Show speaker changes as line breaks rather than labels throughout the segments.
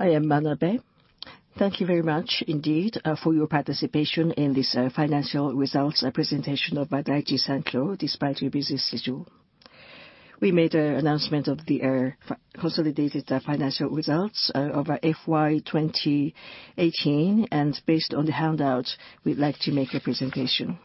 I am Manabe. Thank you very much indeed for your participation in this financial results presentation of Daiichi Sankyo despite your busy schedule. We made an announcement of the consolidated financial results of our FY 2018, and based on the handout, we'd like to make a presentation.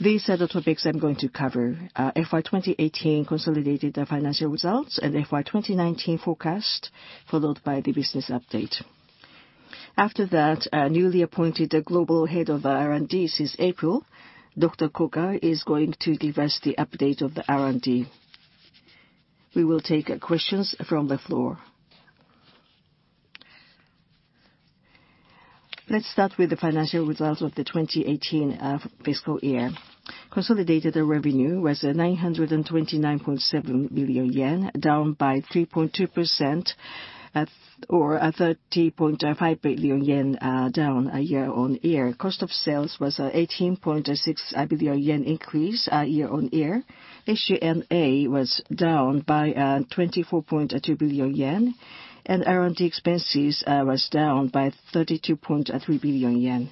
These are the topics I'm going to cover. FY 2018 consolidated financial results and FY 2019 forecast, followed by the business update. After that, our newly appointed Global Head of R&D since April, Dr. Koga, is going to give us the update of the R&D. We will take questions from the floor. Let's start with the financial results of the 2018 fiscal year. Consolidated revenue was 929.7 billion yen, down by 3.2% or 30.5 billion yen down year-on-year. Cost of sales was a 18.6 billion yen increase year-on-year. SG&A was down by 24.2 billion yen, and R&D expenses were down by 32.3 billion yen.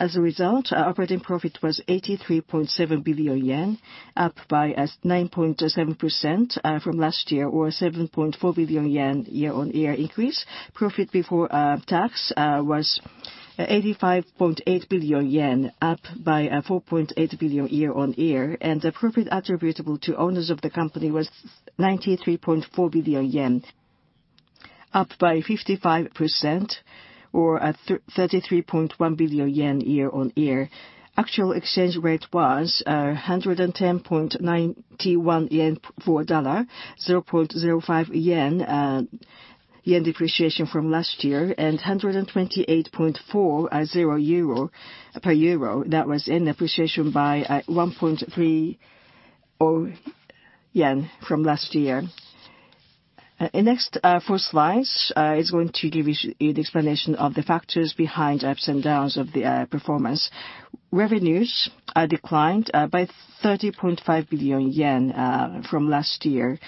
As a result, our operating profit was 83.7 billion yen, up by 9.7% from last year or a 7.4 billion yen year-on-year increase. Profit before tax was 85.8 billion yen, up by 4.8 billion year-on-year, and the profit attributable to owners of the company was 93.4 billion yen, up by 55% or 33.1 billion yen year-on-year. Actual exchange rate was 110.91 yen for $1, a JPY 0.05 depreciation from last year, and 128.40 per EUR. That was an appreciation by 1.30 yen from last year. Next, four slides is going to give you the explanation of the factors behind ups and downs of the performance. Revenues declined by 30.5 billion yen from last year.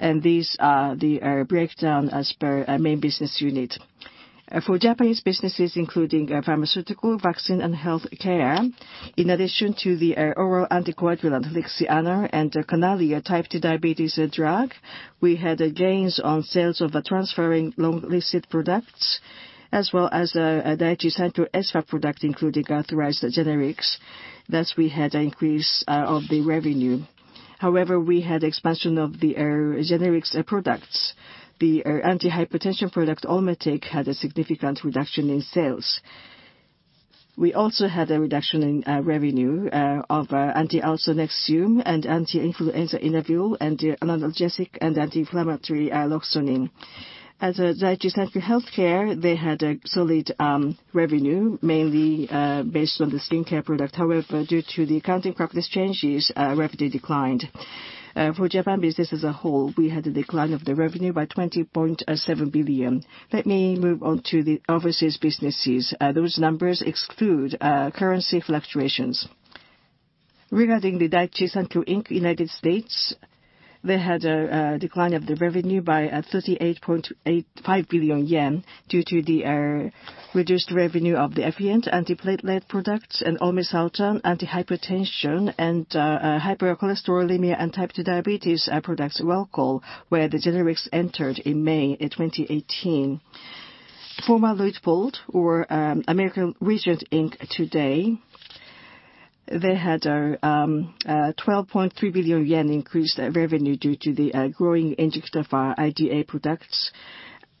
These are the breakdown as per our main business unit. For Japanese businesses, including pharmaceutical, vaccine, and healthcare, in addition to the oral anticoagulant LIXIANA and the canagliflozin type 2 diabetes drug, we had gains on sales of transferring long-listed products as well as Daiichi Sankyo Espha product, including authorized generics. Thus, we had an increase of the revenue. However, we had expansion of the generics products. The antihypertension product, Olmetec, had a significant reduction in sales. We also had a reduction in revenue of antiulcer NEXIUM and anti-influenza Inavir and the analgesic and anti-inflammatory Loxonin. As Daiichi Sankyo Healthcare, they had a solid revenue, mainly based on the skincare product. However, due to the accounting practice changes, revenue declined. For Japan business as a whole, we had a decline of the revenue by 20.7 billion. Let me move on to the overseas businesses. Those numbers exclude currency fluctuations. Regarding the Daiichi Sankyo, Inc., U.S., they had a decline of the revenue by 38.5 billion yen due to the reduced revenue of the Effient antiplatelet products and olmesartan antihypertension and hypercholesterolemia and type 2 diabetes products Welchol, where the generics entered in May 2018. Former Luitpold or American Regent, Inc. today, they had a 12.3 billion yen increased revenue due to the growing Injectafer products.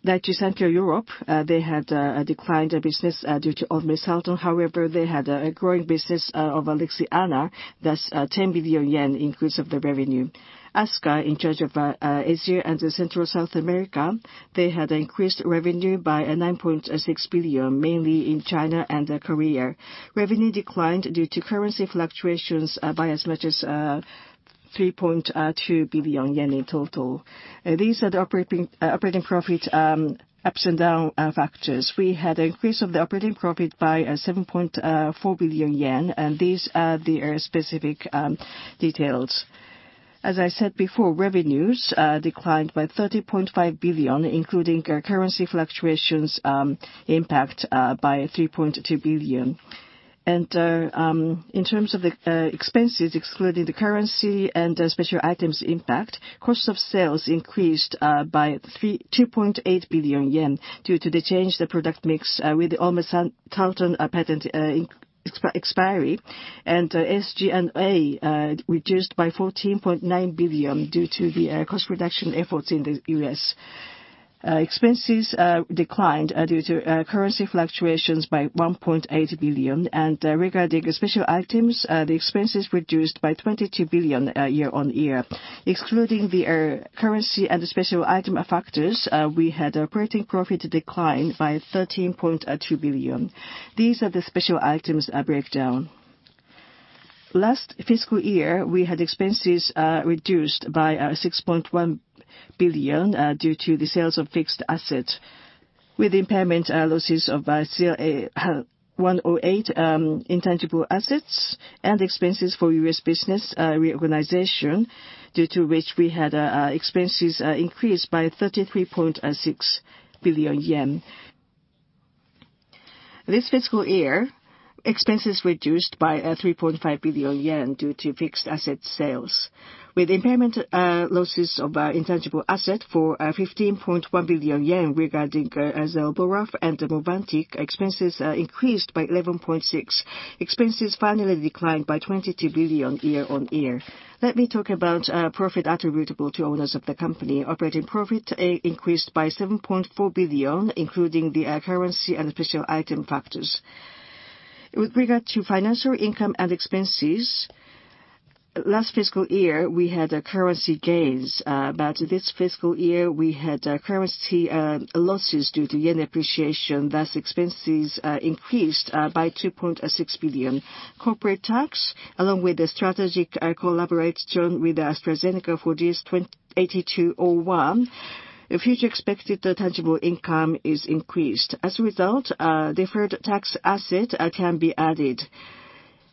Daiichi Sankyo Europe, they had a declined business due to olmesartan. However, they had a growing business of LIXIANA. That's a 10 billion yen increase of the revenue. ASCA in charge of Asia and Central South America, they had increased revenue by 9.6 billion, mainly in China and Korea. Revenue declined due to currency fluctuations by as much as 3.2 billion yen in total. These are the operating profit ups and down factors. We had an increase of the operating profit by 7.4 billion yen. These are the specific details. As I said before, revenues declined by 30.5 billion, including currency fluctuations impact by 3.2 billion. In terms of the expenses, excluding the currency and special items impact, cost of sales increased by 2.8 billion yen due to the change in the product mix with the olmesartan patent expiry. SG&A reduced by 14.9 billion due to the cost reduction efforts in the U.S. Expenses declined due to currency fluctuations by 1.8 billion. Regarding special items, the expenses reduced by 22 billion year-on-year. Excluding the currency and the special item factors, we had operating profit decline by 13.2 billion. These are the special items breakdown. Last fiscal year, we had expenses reduced by 6.1 billion due to the sales of fixed assets, with impairment losses of 108 intangible assets and expenses for U.S. business reorganization, due to which we had expenses increased by 33.6 billion yen. This fiscal year, expenses reduced by 3.5 billion yen due to fixed asset sales. With impairment losses of intangible asset for 15.1 billion yen regarding and MOVANTIK, expenses increased by 11.6 billion. Expenses finally declined by 22 billion year-on-year. Let me talk about profit attributable to owners of the company. Operating profit increased by 7.4 billion, including the currency and special item factors. With regard to financial income and expenses, last fiscal year, we had currency gains, but this fiscal year, we had currency losses due to yen appreciation. Thus, expenses increased by 2.6 billion. Corporate tax, along with the strategic collaboration with AstraZeneca for DS-8201, future expected tangible income is increased. As a result, deferred tax asset can be added.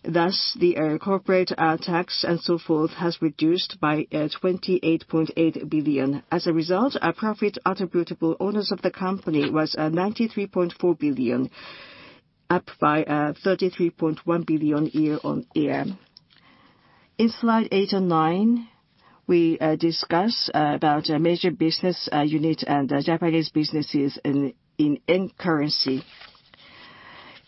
Thus, the corporate tax and so forth has reduced by 28.8 billion. As a result, our profit attributable owners of the company was 93.4 billion, up by 33.1 billion year-on-year. In slide eight and nine, we discuss about major business unit and Japanese businesses in JPY currency.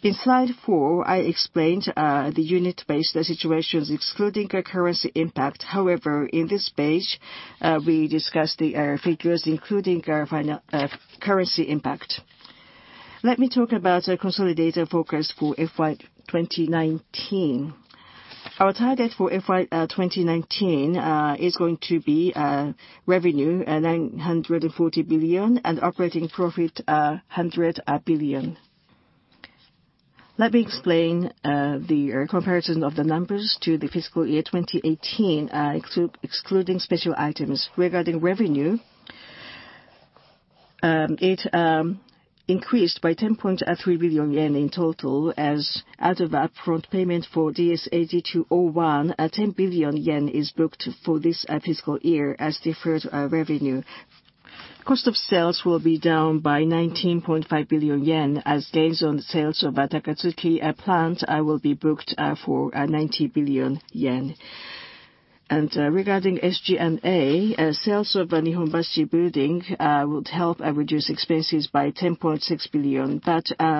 In slide four, I explained the unit-based situations excluding currency impact. However, in this page, we discuss the figures including currency impact. Let me talk about consolidated forecast for FY 2019. Our target for FY 2019 is going to be revenue 940 billion and operating profit 100 billion. Let me explain the comparison of the numbers to the fiscal year 2018, excluding special items. Regarding revenue, it increased by 10.3 billion yen in total as out of upfront payment for DS-8201, 10 billion yen is booked for this fiscal year as deferred revenue. Cost of sales will be down by 19.5 billion yen as gains on sales of Takatsuki plant will be booked for 90 billion yen. Regarding SG&A, sales of Nihonbashi building would help reduce expenses by 10.6 billion.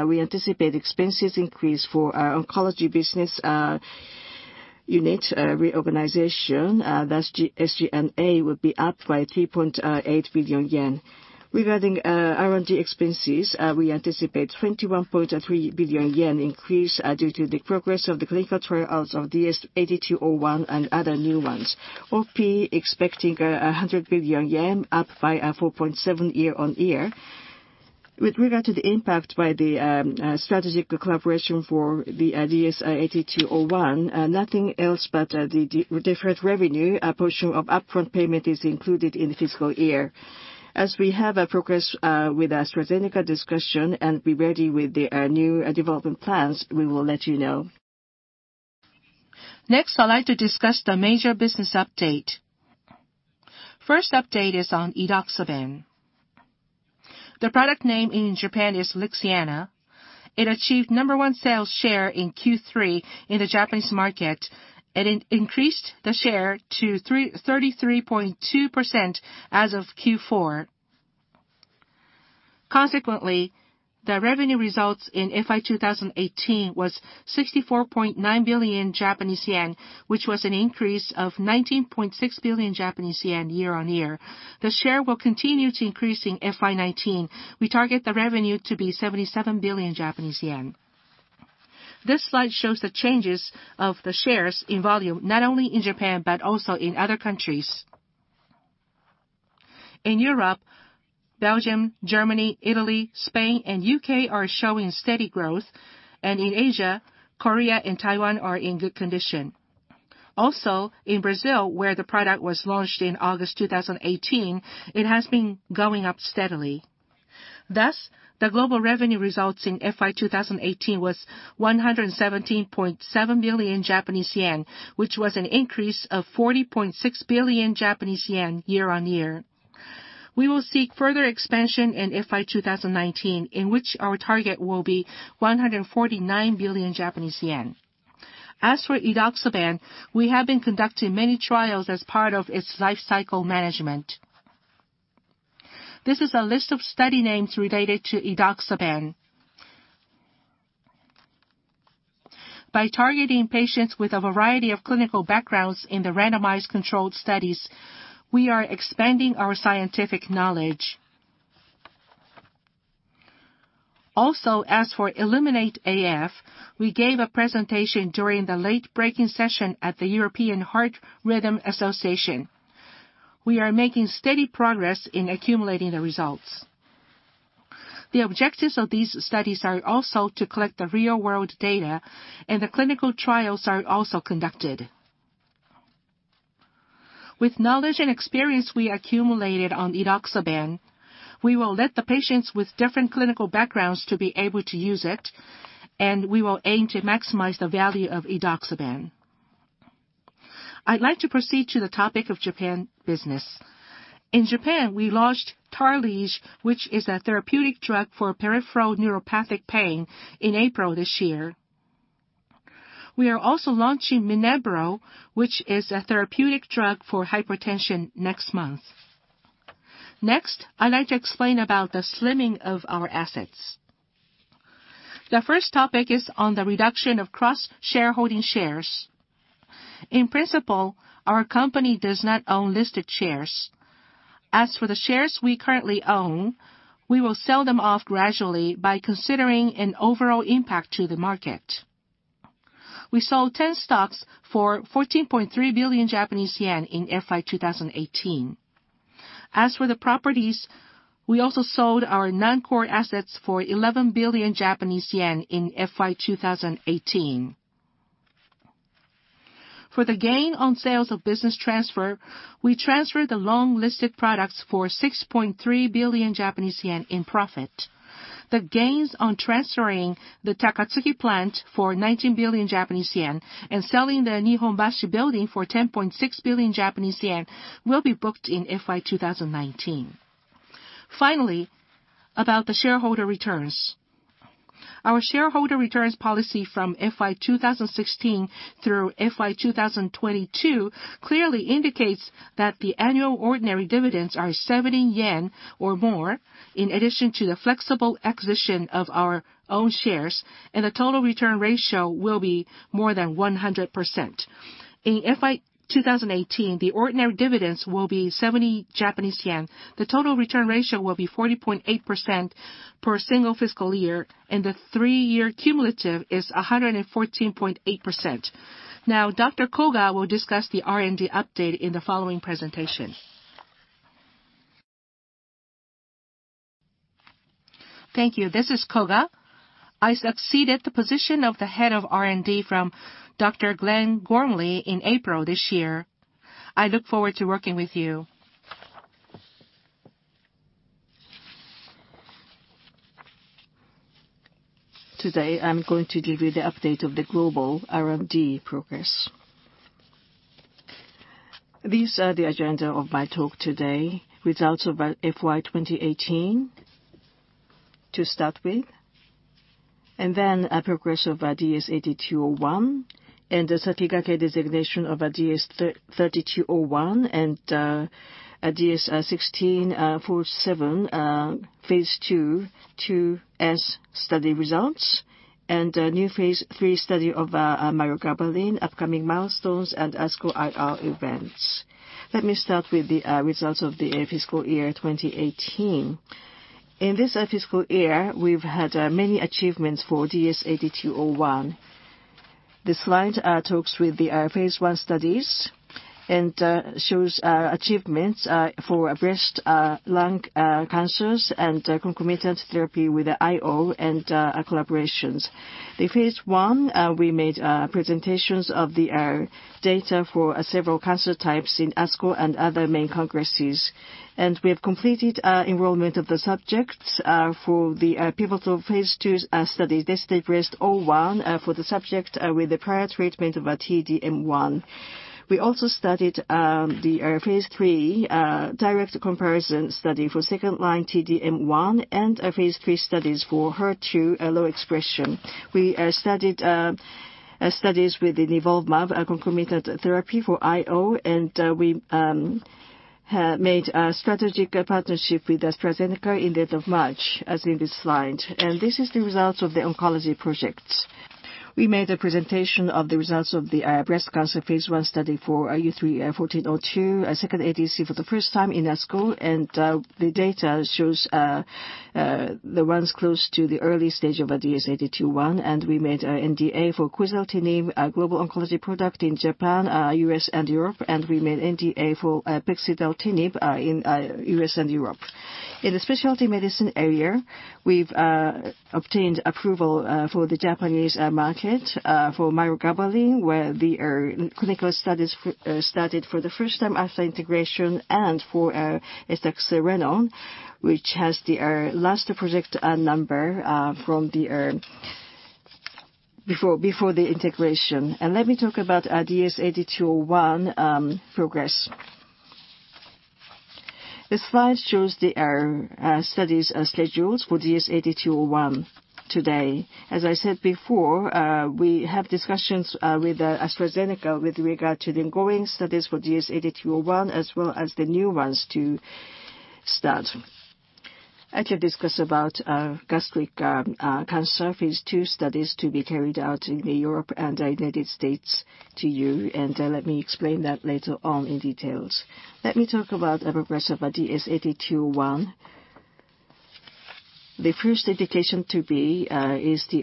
We anticipate expenses increase for our oncology business unit reorganization. Thus, SG&A will be up by 2.8 billion yen. Regarding R&D expenses, we anticipate 21.3 billion yen increase due to the progress of the clinical trials of DS-8201 and other new ones. OP expecting 100 billion yen, up by 4.7 billion year-on-year. With regard to the impact by the strategic collaboration for the DS-8201, nothing else but the deferred revenue portion of upfront payment is included in the fiscal year. As we have a progress with AstraZeneca discussion and be ready with the new development plans, we will let you know. I'd like to discuss the major business update. First update is on edoxaban. The product name in Japan is LIXIANA. It achieved number one sales share in Q3 in the Japanese market, it increased the share to 33.2% as of Q4. Consequently, the revenue results in FY 2018 was 64.9 billion Japanese yen, which was an increase of 19.6 billion Japanese yen year-on-year. The share will continue to increase in FY 2019. We target the revenue to be 77 billion Japanese yen. This slide shows the changes of the shares in volume, not only in Japan, but also in other countries. In Europe, Belgium, Germany, Italy, Spain, and U.K. are showing steady growth. In Asia, Korea and Taiwan are in good condition. Also, in Brazil, where the product was launched in August 2018, it has been going up steadily. The global revenue results in FY 2018 was 117.7 billion Japanese yen, which was an increase of 40.6 billion Japanese yen year-on-year. We will seek further expansion in FY 2019, in which our target will be 149 billion Japanese yen. As for edoxaban, we have been conducting many trials as part of its life cycle management. This is a list of study names related to edoxaban. By targeting patients with a variety of clinical backgrounds in the randomized controlled studies, we are expanding our scientific knowledge. Also, as for ELIMINATE-AF, we gave a presentation during the late breaking session at the European Heart Rhythm Association. We are making steady progress in accumulating the results. The objectives of these studies are also to collect the real world data, and the clinical trials are also conducted. With knowledge and experience we accumulated on edoxaban, we will let the patients with different clinical backgrounds to be able to use it, and we will aim to maximize the value of edoxaban. I'd like to proceed to the topic of Japan business. In Japan, we launched Tarlige, which is a therapeutic drug for peripheral neuropathic pain, in April this year. We are also launching MINNEBRO, which is a therapeutic drug for hypertension, next month. I'd like to explain about the slimming of our assets. The first topic is on the reduction of cross-shareholding shares. In principle, our company does not own listed shares. As for the shares we currently own, we will sell them off gradually by considering an overall impact to the market. We sold 10 stocks for 14.3 billion Japanese yen in FY 2018. As for the properties, we also sold our non-core assets for 11 billion Japanese yen in FY 2018. For the gain on sales of business transfer, we transferred the long-listed products for 6.3 billion Japanese yen in profit. The gains on transferring the Takatsuki plant for 19 billion Japanese yen and selling the Nihonbashi building for 10.6 billion Japanese yen will be booked in FY 2019. Finally, about the shareholder returns. Our shareholder returns policy from FY 2016 through FY 2022 clearly indicates that the annual ordinary dividends are 70 yen or more, in addition to the flexible acquisition of our own shares, and the total return ratio will be more than 100%. In FY 2018, the ordinary dividends will be 70 Japanese yen. The total return ratio will be 40.8% per single fiscal year, and the 3-year cumulative is 114.8%. Now, Dr. Koga will discuss the R&D update in the following presentation.
Thank you. This is Koga. I succeeded the position of the head of R&D from Dr. Glenn Gormley in April this year. I look forward to working with you. Today, I'm going to give you the update of the global R&D progress. These are the agenda of my talk today. Results of our FY 2018 to start with, progress of DS-8201 and the Sakigake Designation of DS-3201 and DS-1647 phase II study results, new phase III study of mirogabalin, upcoming milestones, ASCO IR events. Let me start with the results of the fiscal year 2018. In this fiscal year, we've had many achievements for DS-8201. This slide talks with the phase I studies and shows our achievements for breast, lung cancers and concomitant therapy with IO and collaborations. The phase I, we made presentations of the data for several cancer types in ASCO and other main congresses. We have completed enrollment of the subjects for the pivotal phase II study, DESTINY-Breast01, for the subject with the prior treatment of T-DM1. We also studied the phase III direct comparison study for second-line T-DM1 and phase III studies for HER2-low expression. We studied studies with nivolumab, a concomitant therapy for IO, we made a strategic partnership with AstraZeneca in the month of March, as in this slide. This is the results of the oncology projects. We made a presentation of the results of the breast cancer phase I study for U3-1402, second ADC for the first time in ASCO, the data shows the ones close to the early stage of DS-8201, we made NDA for quizartinib global oncology product in Japan, U.S., and Europe, we made NDA for pexidartinib in U.S. and Europe. In the specialty medicine area, we've obtained approval for the Japanese market for mirogabalin, where the clinical studies started for the first time after integration and for esaxerenone, which has the last project number from before the integration. Let me talk about DS-8201 progress. This slide shows the studies schedules for DS-8201 today. As I said before, we have discussions with AstraZeneca with regard to the ongoing studies for DS-8201 as well as the new ones to start. I shall discuss about gastric cancer phase II studies to be carried out in Europe and the U.S. to you. Let me explain that later on in details. Let me talk about progress of DS-8201. The first indication to be is the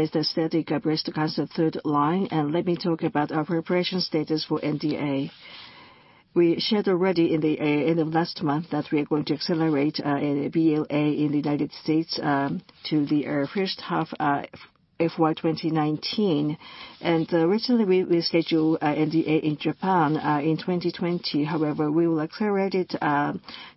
metastatic breast cancer third line. Let me talk about our preparation status for NDA. We shared already in the end of last month that we are going to accelerate a BLA in the U.S. to the first half FY 2019. Originally, we schedule NDA in Japan in 2020. However, we will accelerate it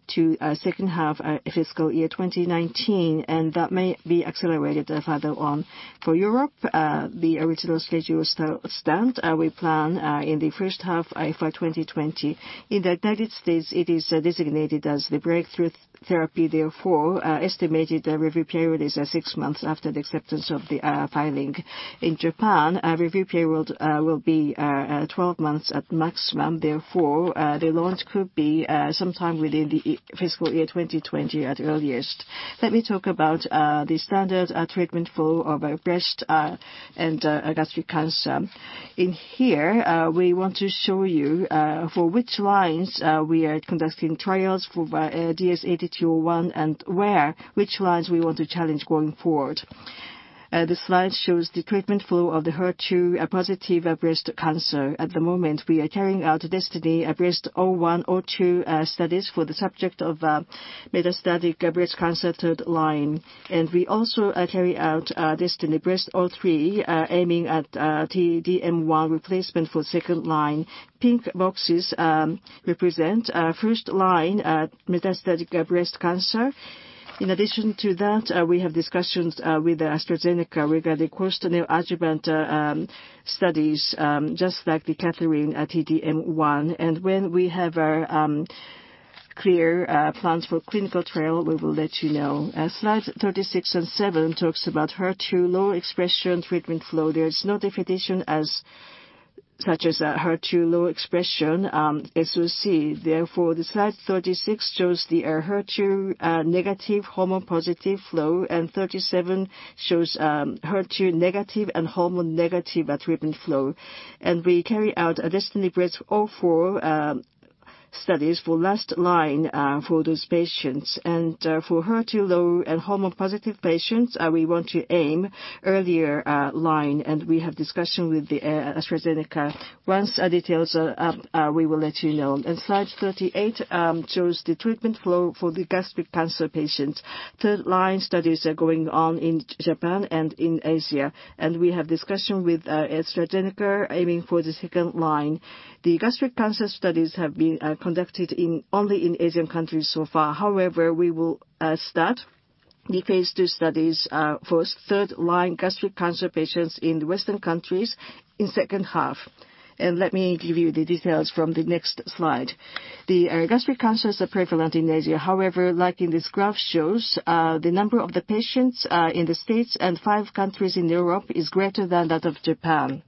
to second half FY 2019, and that may be accelerated further on. For Europe, the original schedule stand. We plan, in the first half FY 2020. In the U.S., it is designated as the Breakthrough Therapy, therefore, estimated review period is 6 months after the acceptance of the filing. In Japan, review period will be 12 months at maximum. Therefore, the launch could be sometime within the FY 2020 at earliest. Let me talk about the standard treatment flow of breast and gastric cancer. In here, we want to show you for which lines we are conducting trials for DS-3201 and where, which lines we want to challenge going forward. The slide shows the treatment flow of the HER2 positive breast cancer. At the moment, we are carrying out DESTINY-Breast01, DESTINY-Breast02 studies for the subject of metastatic breast cancer third line. We also carry out DESTINY-Breast03, aiming at T-DM1 replacement for second line. Pink boxes represent first line metastatic breast cancer. In addition to that, we have discussions with AstraZeneca regarding post-neoadjuvant studies, just like the KATHERINE. When we have our clear plans for clinical trial, we will let you know. Slide 36 and 7 talks about HER2 low expression treatment flow. There is no definition such as HER2 low expression, as you see. The slide 36 shows the HER2 negative hormone positive flow, and 37 shows HER2 negative and hormone negative treatment flow. We carry out DESTINY-Breast04 studies for last line for those patients. For HER2 low and hormone positive patients, we want to aim earlier line, and we have discussion with the AstraZeneca. Once details are up, we will let you know. Slide 38 shows the treatment flow for the gastric cancer patient. Third line studies are going on in Japan and in Asia. We have discussion with AstraZeneca aiming for the second line. The gastric cancer studies have been conducted only in Asian countries so far. However, we will start the phase II studies for third line gastric cancer patients in Western countries in second half. Let me give you the details from the next slide. The gastric cancer is prevalent in Asia. However, like in this graph shows, the number of the patients in the U.S. and five countries in Europe is greater than that of Japan.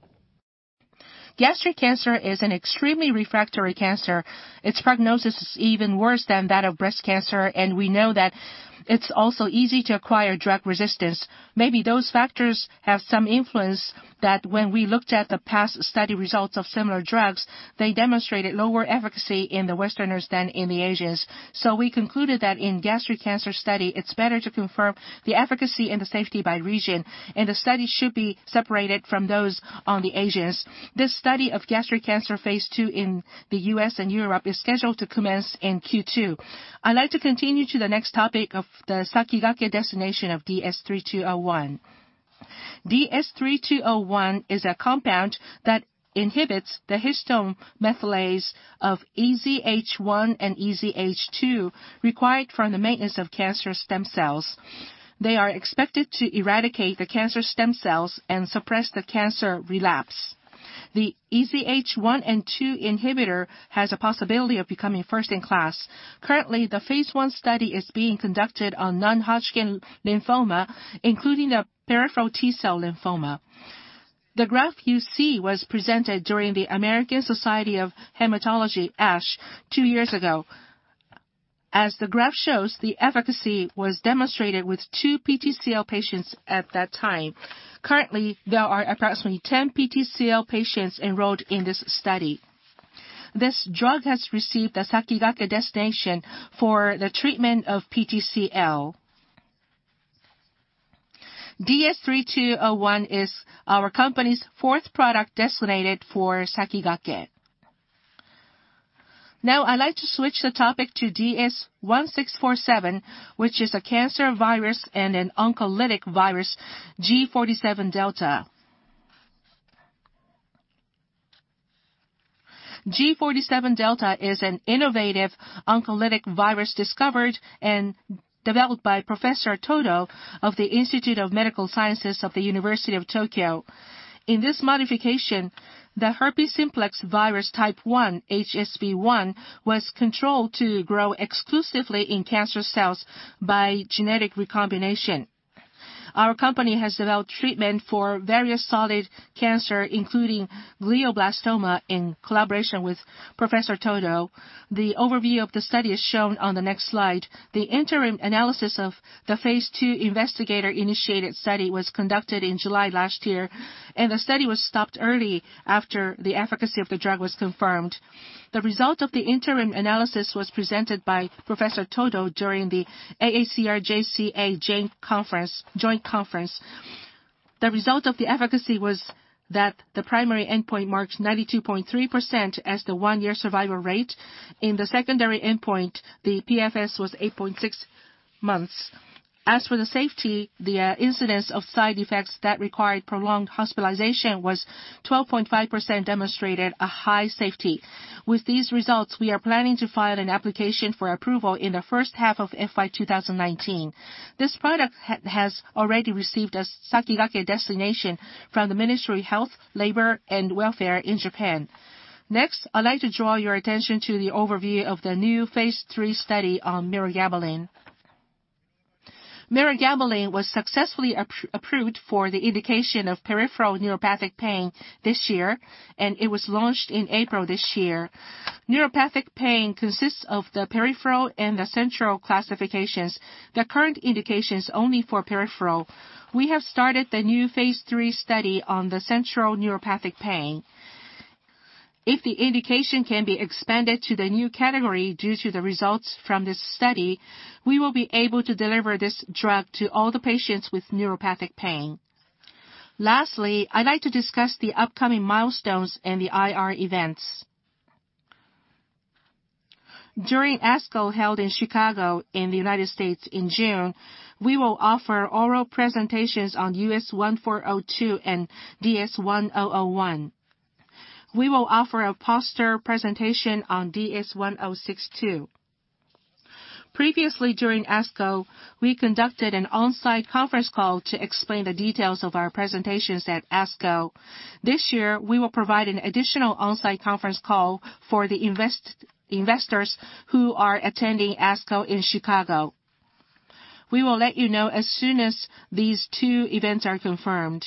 Gastric cancer is an extremely refractory cancer. Its prognosis is even worse than that of breast cancer, and we know that it is also easy to acquire drug resistance. Maybe those factors have some influence that when we looked at the past study results of similar drugs, they demonstrated lower efficacy in Westerners than in Asians. We concluded that in gastric cancer study, it is better to confirm the efficacy and the safety by region, and the study should be separated from those on Asians. This study of gastric cancer phase II in the U.S. and Europe is scheduled to commence in Q2. I would like to continue to the next topic of the Sakigake designation of DS-3201. DS-3201 is a compound that inhibits the histone methylase of EZH1 and EZH2 required for the maintenance of cancer stem cells. They are expected to eradicate the cancer stem cells and suppress the cancer relapse. The EZH1 and EZH2 inhibitor has a possibility of becoming first-in-class. Currently, the phase I study is being conducted on non-Hodgkin lymphoma, including the peripheral T-cell lymphoma. The graph you see was presented during the American Society of Hematology (ASH) two years ago. As the graph shows, the efficacy was demonstrated with two PTCL patients at that time. Currently, there are approximately 10 PTCL patients enrolled in this study. This drug has received a Sakigake designation for the treatment of PTCL. DS-3201 is our company's fourth product designated for Sakigake. I would like to switch the topic to DS-1647, which is a cancer virus and an oncolytic virus, G47Δ. G47Δ is an innovative oncolytic virus discovered and developed by Professor Todo of The Institute of Medical Science, The University of Tokyo. In this modification, the herpes simplex virus type 1 (HSV1) was controlled to grow exclusively in cancer cells by genetic recombination. Our company has developed treatment for various solid cancers, including glioblastoma, in collaboration with Professor Todo. The overview of the study is shown on the next slide. The interim analysis of the phase II investigator-initiated study was conducted in July last year, and the study was stopped early after the efficacy of the drug was confirmed. The result of the interim analysis was presented by Professor Todo during the AACR-JCA Joint Conference. The result of the efficacy was that the primary endpoint marked 92.3% as the one-year survival rate. In the secondary endpoint, the PFS was 8.6 months. As for the safety, the incidence of side effects that required prolonged hospitalization was 12.5%, demonstrating high safety. With these results, we are planning to file an application for approval in the first half of FY 2019. This product has already received a Sakigake designation from the Ministry of Health, Labour and Welfare in Japan. I would like to draw your attention to the overview of the new phase III study on mirogabalin. Mirogabalin was successfully approved for the indication of peripheral neuropathic pain this year, and it was launched in April this year. Neuropathic pain consists of the peripheral and the central classifications. The current indication is only for peripheral. We have started the new phase III study on central neuropathic pain. If the indication can be expanded to the new category due to the results from this study, we will be able to deliver this drug to all the patients with neuropathic pain. Lastly, I'd like to discuss the upcoming milestones and the IR events. During ASCO, held in Chicago in the U.S. in June, we will offer oral presentations on U3-1402 and DS-1001. We will offer a poster presentation on DS-1062. Previously, during ASCO, we conducted an on-site conference call to explain the details of our presentations at ASCO. This year, we will provide an additional on-site conference call for the investors who are attending ASCO in Chicago. We will let you know as soon as these two events are confirmed.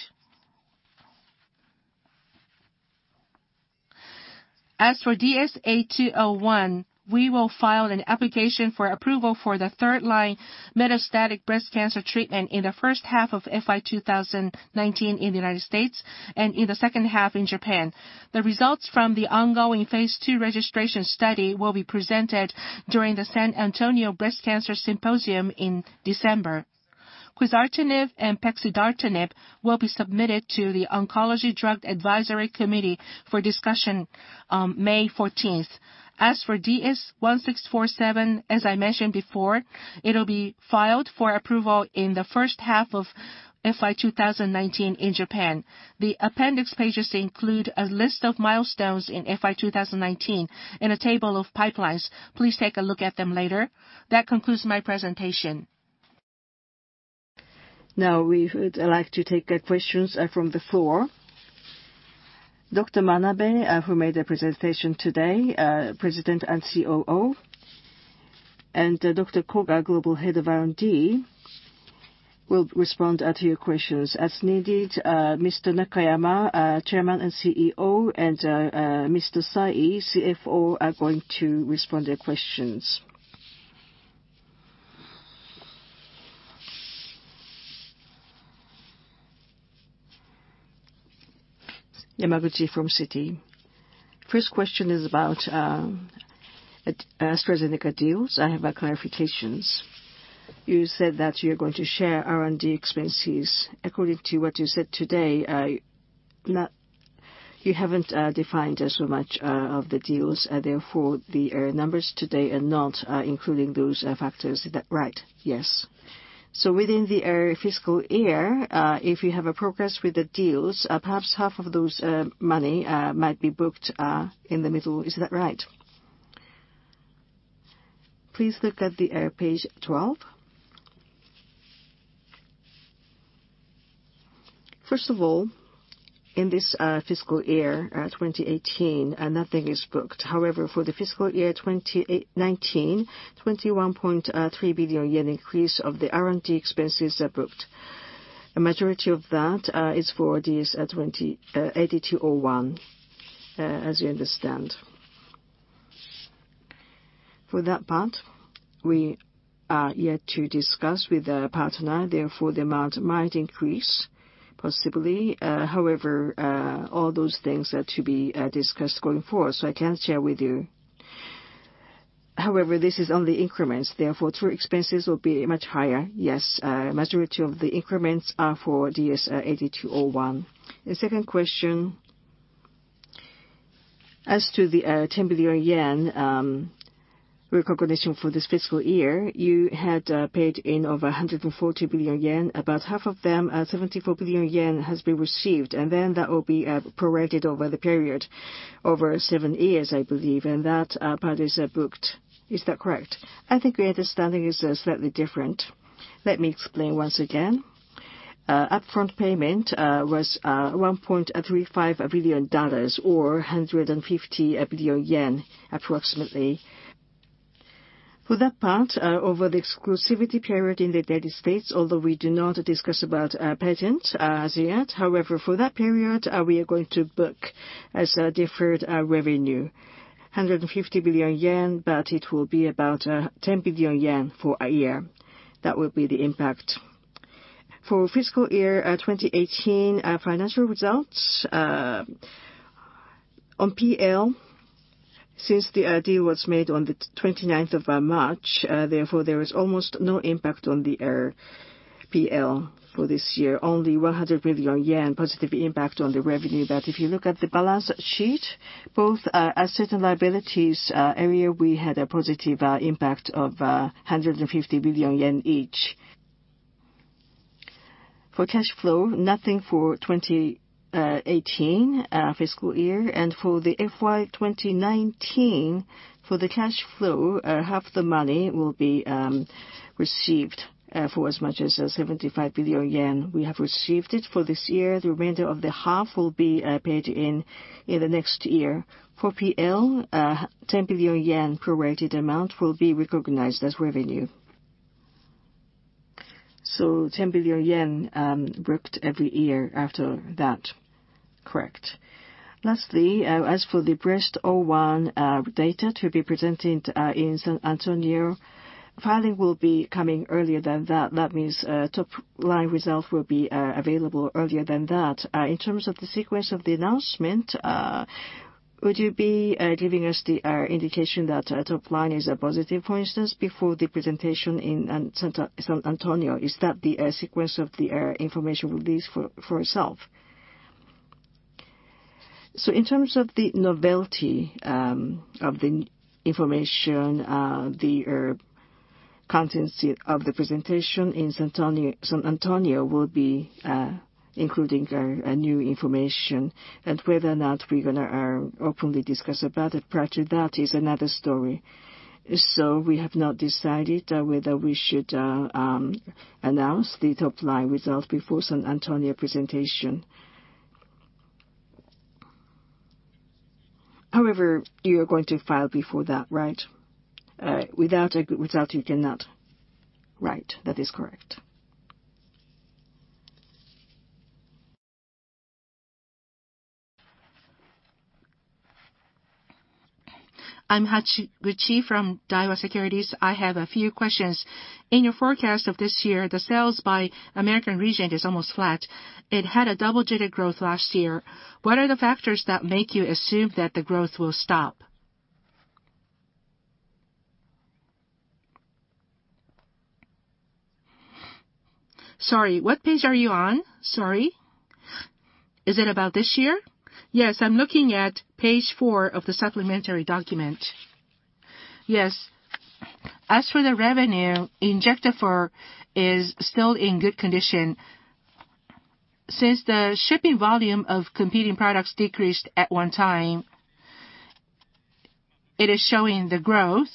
As for DS-8201, we will file an application for approval for the third-line metastatic breast cancer treatment in the first half of FY 2019 in the U.S. and in the second half in Japan. The results from the ongoing phase II registration study will be presented during the San Antonio Breast Cancer Symposium in December. Quizartinib and pexidartinib will be submitted to the Oncologic Drugs Advisory Committee for discussion on May 14th. As for DS-1647, as I mentioned before, it'll be filed for approval in the first half of FY 2019 in Japan. The appendix pages include a list of milestones in FY 2019 and a table of pipelines. Please take a look at them later. That concludes my presentation.
We would like to take questions from the floor. Mr. Manabe, who made the presentation today, President and COO, and Mr. Koga, Global Head of R&D, will respond to your questions. As needed, Mr. Nakayama, Chairman and CEO, and Mr. Sai, CFO, are going to respond to questions.
Yamaguchi from Citi. First question is about AstraZeneca deals. I have clarifications. You said that you're going to share R&D expenses. According to what you said today, you haven't defined so much of the deals, therefore, the numbers today are not including those factors. Is that right?
Yes.
Within the fiscal year, if you have progress with the deals, perhaps half of that money might be booked in the middle. Is that right?
Please look at Page 12. First of all, in this fiscal year 2018, nothing is booked. For the fiscal year 2019, a 21.3 billion yen increase of the R&D expenses are booked. A majority of that is for DS-8201, as you understand. For that part, we are yet to discuss with the partner. The amount might increase possibly. All those things are to be discussed going forward, so I can't share with you. This is only increments, therefore, true expenses will be much higher.
Yes. A majority of the increments are for DS-8201.
The second question, as to the 10 billion yen recognition for this fiscal year, you had paid in over 140 billion yen. About half of them, 74 billion yen, has been received, and then that will be prorated over the period, over seven years, I believe. That part is booked. Is that correct? I think your understanding is slightly different. Let me explain once again. Upfront payment was $1.35 billion, or 150 billion yen approximately. For that part, over the exclusivity period in the U.S., although we do not discuss about patent as yet. However, for that period, we are going to book as deferred revenue 150 billion yen, but it will be about 10 billion yen for a year. That will be the impact. For fiscal year 2018 financial results- On PL, since the deal was made on the 29th of March, there is almost no impact on the PL for this year. Only 100 million yen positive impact on the revenue. If you look at the balance sheet, both our assets and liabilities area, we had a positive impact of 150 billion yen each. For cash flow, nothing for fiscal year 2018. For the FY 2019, for the cash flow, half the money will be received for as much as 75 billion yen. We have received it for this year. The remainder of the half will be paid in the next year. For PL, 10 billion yen prorated amount will be recognized as revenue. JPY 10 billion booked every year after that. Correct. Lastly, as for the DESTINY-Breast01 data to be presented in San Antonio, filing will be coming earlier than that. That means a top-line result will be available earlier than that. In terms of the sequence of the announcement, would you be giving us the indication that top line is a positive, for instance, before the presentation in San Antonio? Is that the sequence of the information release for itself? In terms of the novelty of the information, the contents of the presentation in San Antonio will be including our new information, and whether or not we're going to openly discuss about it prior to that is another story. We have not decided whether we should announce the top-line results before San Antonio presentation. You're going to file before that, right? Without you cannot. Right. That is correct.
I'm Hashiguchi from Daiwa Securities. I have a few questions. In your forecast of this year, the sales by American region is almost flat. It had a double-digit growth last year. What are the factors that make you assume that the growth will stop?
Sorry, what page are you on? Sorry.
Is it about this year? Yes, I'm looking at page four of the supplementary document.
Yes. As for the revenue, Injectafer is still in good condition. Since the shipping volume of competing products decreased at one time, it is showing the growth.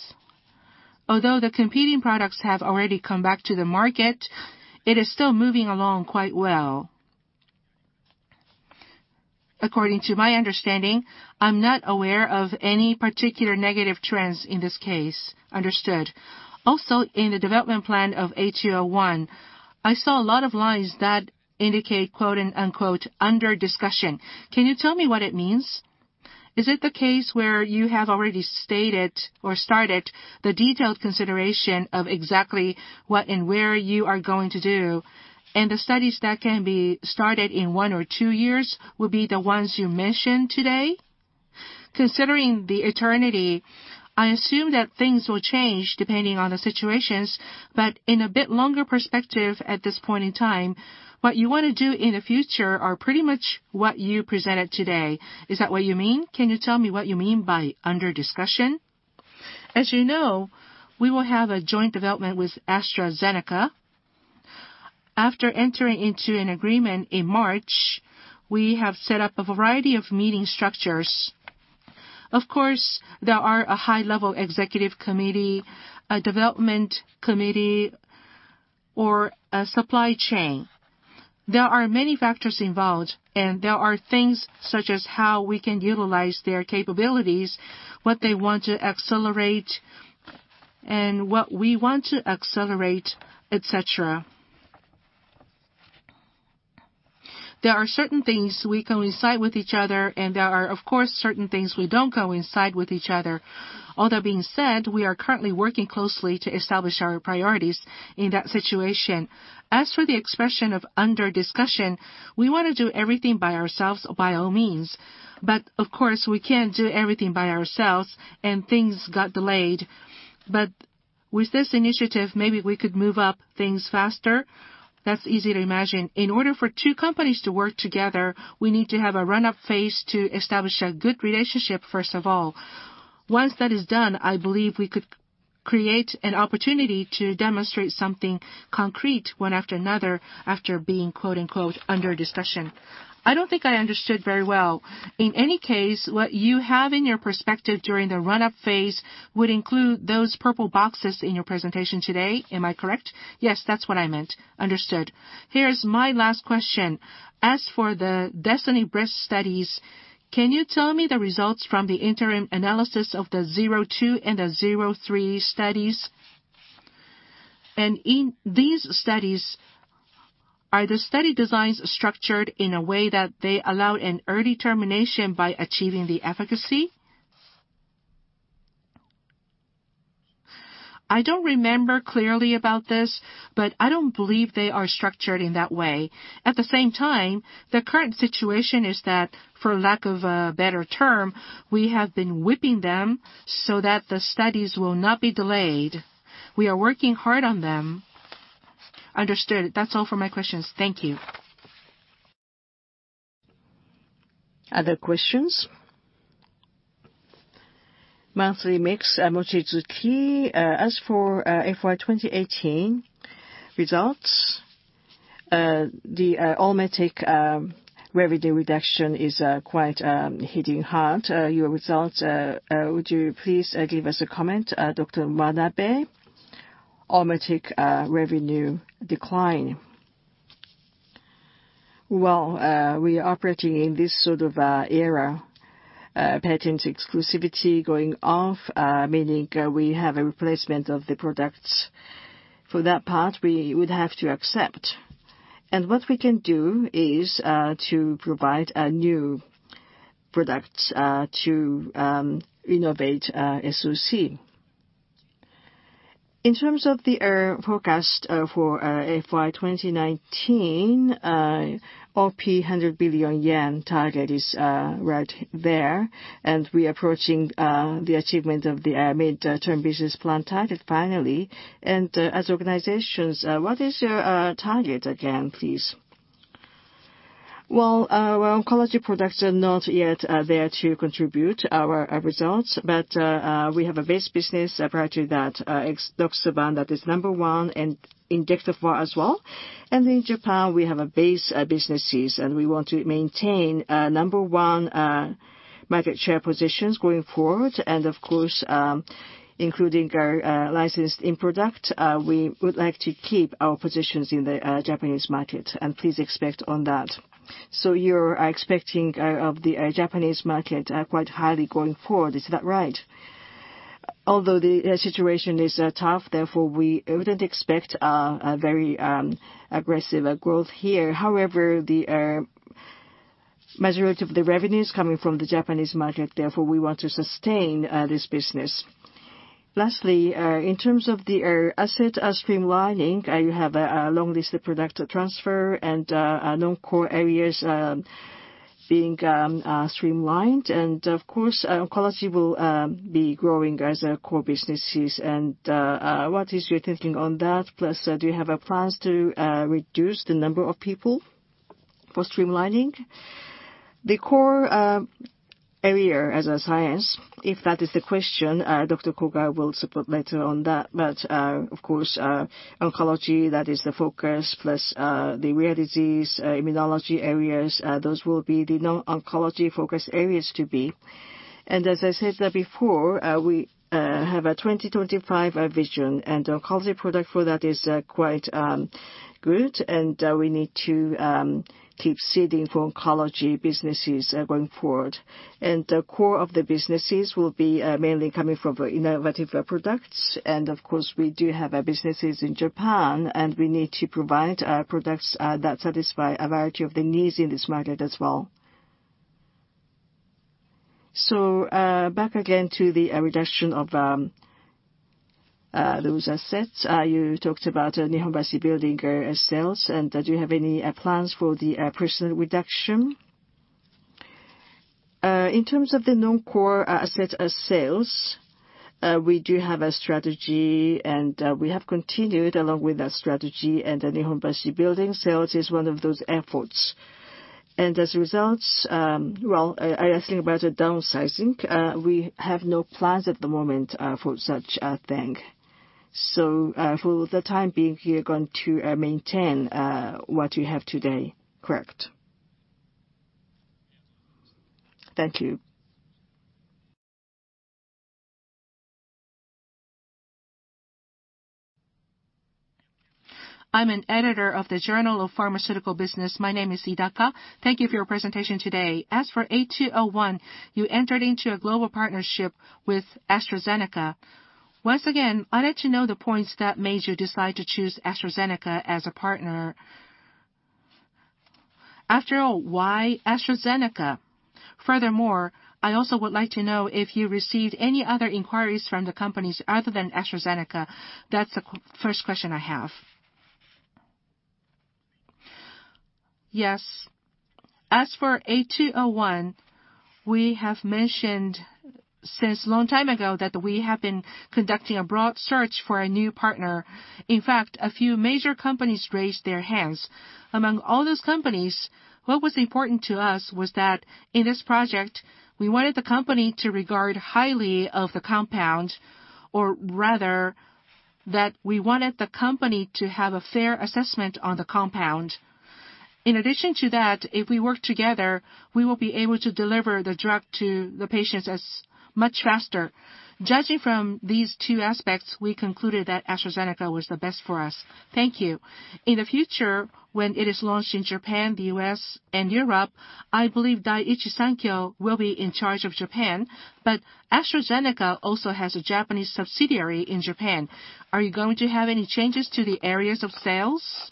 Although the competing products have already come back to the market, it is still moving along quite well. According to my understanding, I'm not aware of any particular negative trends in this case.
Understood. In the development plan of DS-8201, I saw a lot of lines that indicate "Under discussion." Can you tell me what it means? Is it the case where you have already stated or started the detailed consideration of exactly what and where you are going to do, and the studies that can be started in one or two years will be the ones you mention today? Considering the eternity, I assume that things will change depending on the situations. In a bit longer perspective at this point in time, what you want to do in the future are pretty much what you presented today. Is that what you mean? Can you tell me what you mean by under discussion?
As you know, we will have a joint development with AstraZeneca. After entering into an agreement in March, we have set up a variety of meeting structures. Of course, there are a high-level executive committee, a development committee, or a supply chain. There are many factors involved, and there are things such as how we can utilize their capabilities, what they want to accelerate, and what we want to accelerate, et cetera. There are certain things we coincide with each other, and there are, of course, certain things we don't coincide with each other. All that being said, we are currently working closely to establish our priorities in that situation. As for the expression of under discussion, we want to do everything by ourselves, by all means. Of course, we can't do everything by ourselves and things got delayed. With this initiative, maybe we could move up things faster. That's easy to imagine. In order for two companies to work together, we need to have a run-up phase to establish a good relationship, first of all. Once that is done, I believe we could create an opportunity to demonstrate something concrete one after another after being "under discussion.
I don't think I understood very well. In any case, what you have in your perspective during the run-up phase would include those purple boxes in your presentation today. Am I correct?
Yes, that's what I meant.
Understood. Here is my last question. As for the DESTINY-Breast studies, can you tell me the results from the interim analysis of the DESTINY-Breast02 and the DESTINY-Breast03 studies? In these studies, are the study designs structured in a way that they allow an early termination by achieving the efficacy? I don't remember clearly about this, I don't believe they are structured in that way. At the same time, the current situation is that, for lack of a better term, we have been whipping them so that the studies will not be delayed. We are working hard on them. Understood. That's all for my questions. Thank you.
Other questions? Monthly Mix, Mochizuki. As for FY 2018 results, the Almotriptan revenue reduction is quite hitting hard your results. Would you please give us a comment, Dr. Manabe?
OLMETEC revenue decline. Well, we are operating in this sort of era, patent exclusivity going off, meaning we have a replacement of the products. For that part, we would have to accept. What we can do is to provide new products to innovate SOC. In terms of the forecast for FY 2019, OP 100 billion yen target is right there, we are approaching the achievement of the mid-term business plan target finally.
As organizations, what is your target again, please?
Well, our oncology products are not yet there to contribute our results. We have a base business, a product that edoxaban that is number one and in Daivobet as well. In Japan, we have base businesses, we want to maintain number one market share positions going forward. Of course, including our licensed-in product, we would like to keep our positions in the Japanese market, please expect on that.
You're expecting of the Japanese market quite highly going forward, is that right?
Although the situation is tough, therefore, we wouldn't expect a very aggressive growth here. However, the majority of the revenues coming from the Japanese market, therefore, we want to sustain this business.
Lastly, in terms of the asset streamlining, you have a long list of product transfer and non-core areas being streamlined. Of course, oncology will be growing as core businesses. What is your thinking on that? Plus, do you have plans to reduce the number of people for streamlining?
The core area as a science, if that is the question, Dr. Koga will support later on that. Of course, oncology, that is the focus, plus the rare disease, immunology areas, those will be the non-oncology focus areas to be. As I said before, we have a 2025 vision, oncology product for that is quite good. We need to keep seeding for oncology businesses going forward. The core of the businesses will be mainly coming from innovative products. Of course, we do have businesses in Japan, we need to provide products that satisfy a variety of the needs in this market as well.
Back again to the reduction of those assets. You talked about Nihonbashi building sales. Do you have any plans for the personnel reduction?
In terms of the non-core asset sales, we do have a strategy, and we have continued along with that strategy, the Nihonbashi building sales is one of those efforts. As a result, well, asking about the downsizing, we have no plans at the moment for such a thing. For the time being, you're going to maintain what you have today. Correct. Thank you.
I'm an editor of the Journal of Pharmaceutical Business. My name is Idaka. Thank you for your presentation today. As for 8201, you entered into a global partnership with AstraZeneca. Once again, I'd like to know the points that made you decide to choose AstraZeneca as a partner. After all, why AstraZeneca? I also would like to know if you received any other inquiries from the companies other than AstraZeneca. That's the first question I have.
As for 8201 we have mentioned since long time ago that we have been conducting a broad search for a new partner. In fact, a few major companies raised their hands. Among all those companies, what was important to us was that in this project, we wanted the company to regard highly of the compound, or rather that we wanted the company to have a fair assessment on the compound.
In addition to that, if we work together, we will be able to deliver the drug to the patients as much faster. Judging from these two aspects, we concluded that AstraZeneca was the best for us. Thank you. In the future, when it is launched in Japan, the U.S., and Europe, I believe Daiichi Sankyo will be in charge of Japan, but AstraZeneca also has a Japanese subsidiary in Japan. Are you going to have any changes to the areas of sales?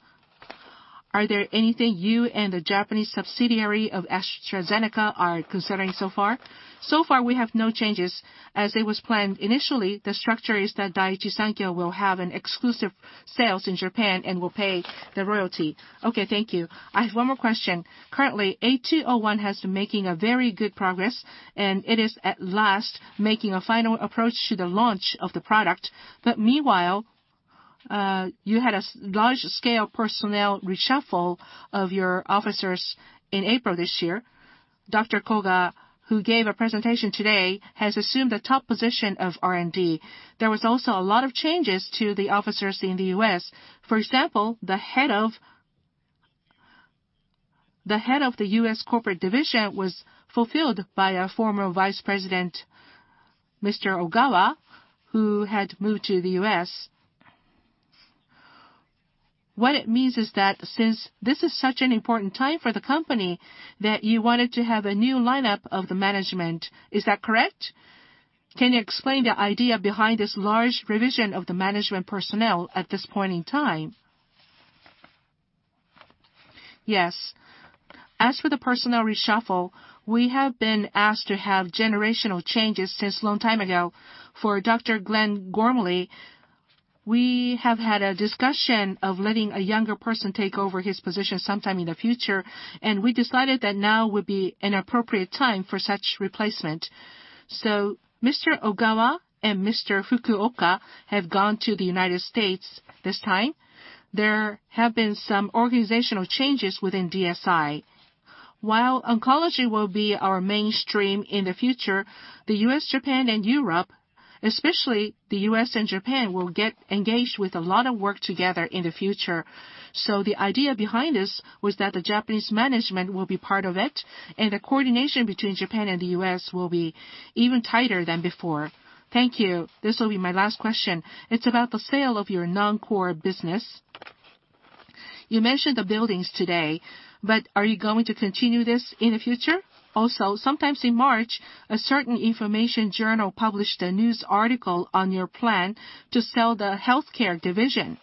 Are there anything you and the Japanese subsidiary of AstraZeneca are considering so far?
We have no changes. As it was planned initially, the structure is that Daiichi Sankyo will have an exclusive sales in Japan and will pay the royalty. Okay. Thank you. I have one more question.
Currently, AT01 has been making a very good progress, it is at last making a final approach to the launch of the product. Meanwhile, you had a large-scale personnel reshuffle of your officers in April this year. Dr. Koga, who gave a presentation today, has assumed the top position of R&D. There was also a lot of changes to the officers in the U.S. For example, the head of the U.S. corporate division was fulfilled by a former vice president, Mr. Ogawa, who had moved to the U.S. What it means is that since this is such an important time for the company, that you wanted to have a new lineup of the management. Is that correct? Can you explain the idea behind this large revision of the management personnel at this point in time?
As for the personnel reshuffle, we have been asked to have generational changes since long time ago. For Dr. Glenn Gormley, we have had a discussion of letting a younger person take over his position sometime in the future, and we decided that now would be an appropriate time for such replacement. Mr. Ogawa and Mr. Fukuoka have gone to the U.S. this time. There have been some organizational changes within DSI. While oncology will be our mainstream in the future, the U.S., Japan, and Europe, especially the U.S. and Japan, will get engaged with a lot of work together in the future. The idea behind this was that the Japanese management will be part of it, and the coordination between Japan and the U.S. will be even tighter than before. Thank you. This will be my last question. It's about the sale of your non-core business.
You mentioned the buildings today, but are you going to continue this in the future? Also, sometimes in March, a certain information journal published a news article on your plan to sell the healthcare division.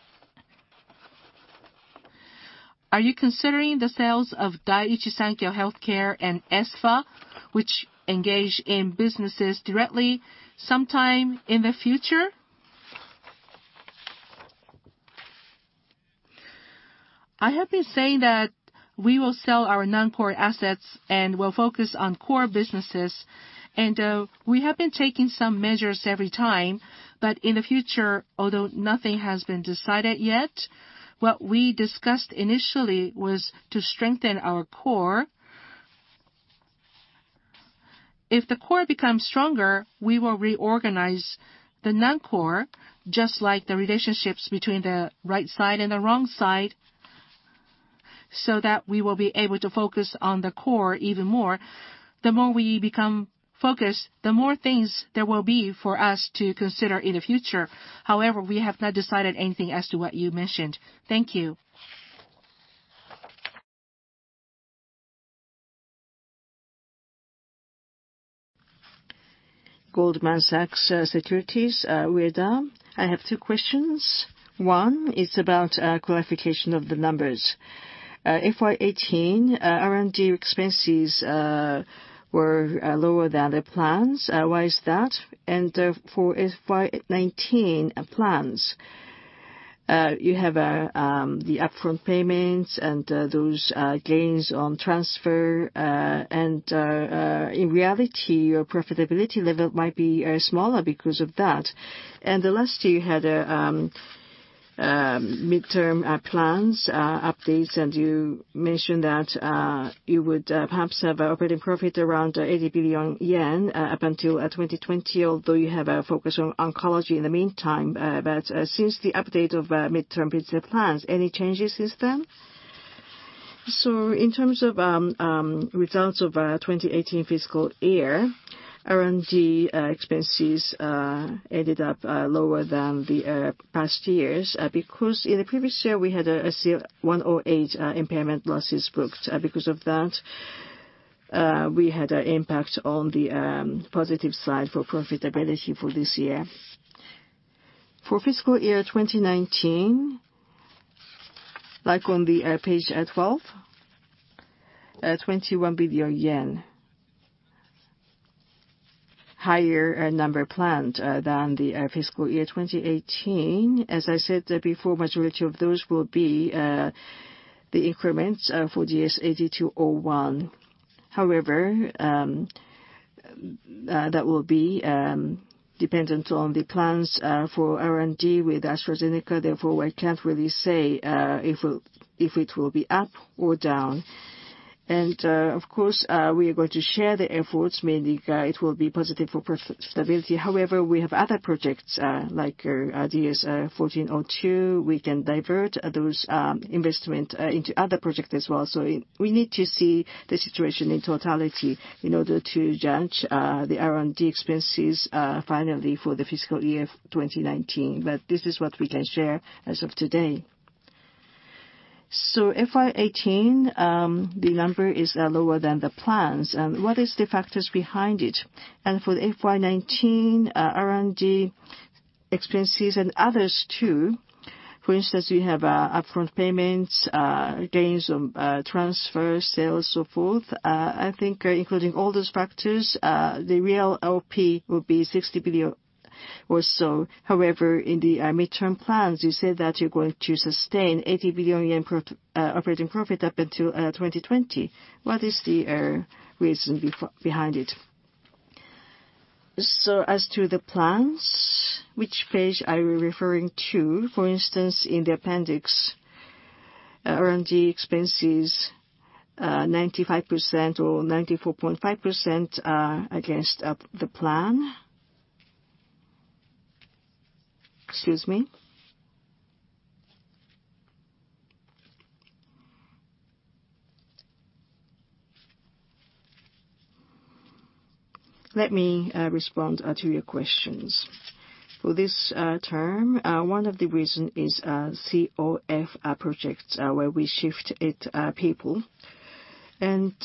Are you considering the sales of Daiichi Sankyo Healthcare and Espha, which engage in businesses directly, sometime in the future?
I have been saying that we will sell our non-core assets and we'll focus on core businesses. We have been taking some measures every time. In the future, although nothing has been decided yet, what we discussed initially was to strengthen our core. If the core becomes stronger, we will reorganize the non-core, just like the relationships between the right side and the wrong side, we will be able to focus on the core even more. The more we become focused, the more things there will be for us to consider in the future. However, we have not decided anything as to what you mentioned. Thank you.
Goldman Sachs Securities, Ueda. I have two questions. One is about clarification of the numbers. FY 2018, R&D expenses were lower than the plans. Why is that? For FY 2019 plans, you have the upfront payments and those gains on transfer. In reality, your profitability level might be smaller because of that. The last year, you had midterm plans updates, and you mentioned that you would perhaps have an operating profit around 80 billion yen up until 2020, although you have a focus on oncology in the meantime. Since the update of midterm plans, any changes since then?
In terms of results of 2018 fiscal year, R&D expenses ended up lower than the past years because in the previous year, we had a CL-108 impairment losses booked. Because of that, we had an impact on the positive side for profitability for this year. For fiscal year 2019, like on page 12, JPY 21 billion. Higher number planned than the fiscal year 2018. As I said before, majority of those will be the increments for DS-8201. However, that will be dependent on the plans for R&D with AstraZeneca. Therefore, I can't really say if it will be up or down. Of course, we are going to share the efforts, meaning it will be positive for profitability. However, we have other projects like DS-1402. We can divert those investment into other project as well. We need to see the situation in totality in order to judge the R&D expenses finally for the fiscal year 2019. This is what we can share as of today. FY 2018, the number is lower than the plans.
What is the factors behind it? For the FY 2019 R&D Expenses and others too. For instance, we have upfront payments, gains on transfer sales, so forth. I think including all those factors, the real OP will be 60 billion or so. However, in the midterm plans, you said that you're going to sustain 80 billion yen operating profit up until 2020. What is the reason behind it? As to the plans, which page are you referring to? For instance, in the appendix R&D expenses, 95% or 94.5% are against the plan.
Excuse me. Let me respond to your questions. For this term, one of the reasons is COF projects where we shift it people, and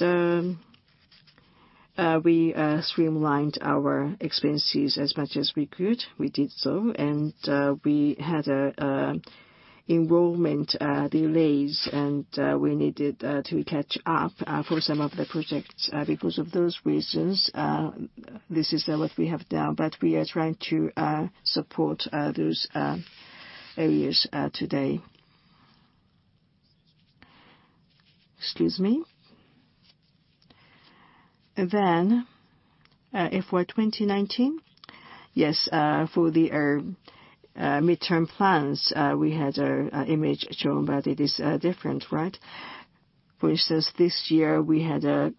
we streamlined our expenses as much as we could. We did so, and we had enrollment delays, and we needed to catch up for some of the projects. Because of those reasons, this is what we have done. We are trying to support those areas today. Excuse me. FY 2019. Yes, for the midterm plans, we had our image shown, but it is different, right? For instance, this year we had a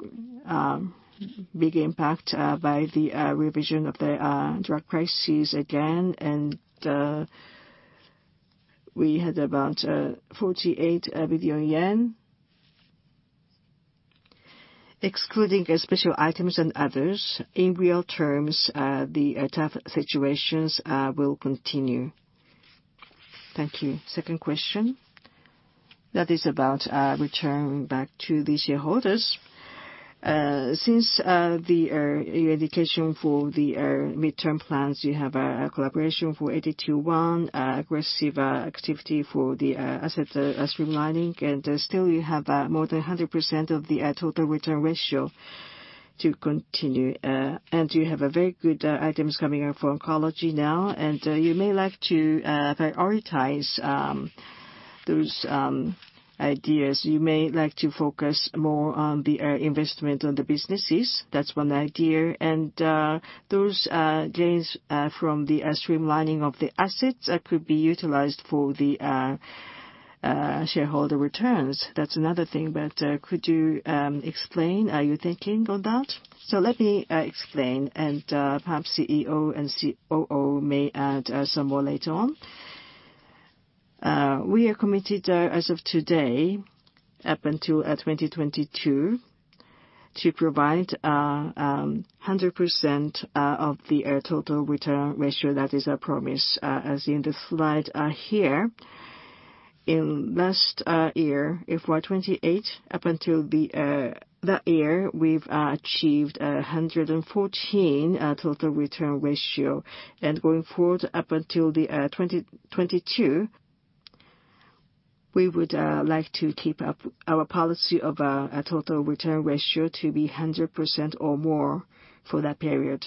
big impact by the revision of the drug prices again, and we had about JPY 48 billion. Excluding special items and others, in real terms, the tough situations will continue.
Thank you. Second question. That is about returning back to the shareholders. Since the indication for the midterm plans, you have a collaboration for 8201, aggressive activity for the asset streamlining, and still you have more than 100% of the total return ratio to continue. You have a very good items coming out for oncology now, and you may like to prioritize those ideas. You may like to focus more on the investment on the businesses. That's one idea. Those gains from the streamlining of the assets could be utilized for the shareholder returns. That's another thing, could you explain, are you thinking on that?
Let me explain, and perhaps CEO and COO may add some more later on. We are committed as of today up until 2022 to provide 100% of the total return ratio. That is our promise. As in the slide here, in last year, FY 2018, up until that year, we've achieved 114% total return ratio. Going forward up until 2022, we would like to keep up our policy of a total return ratio to be 100% or more for that period.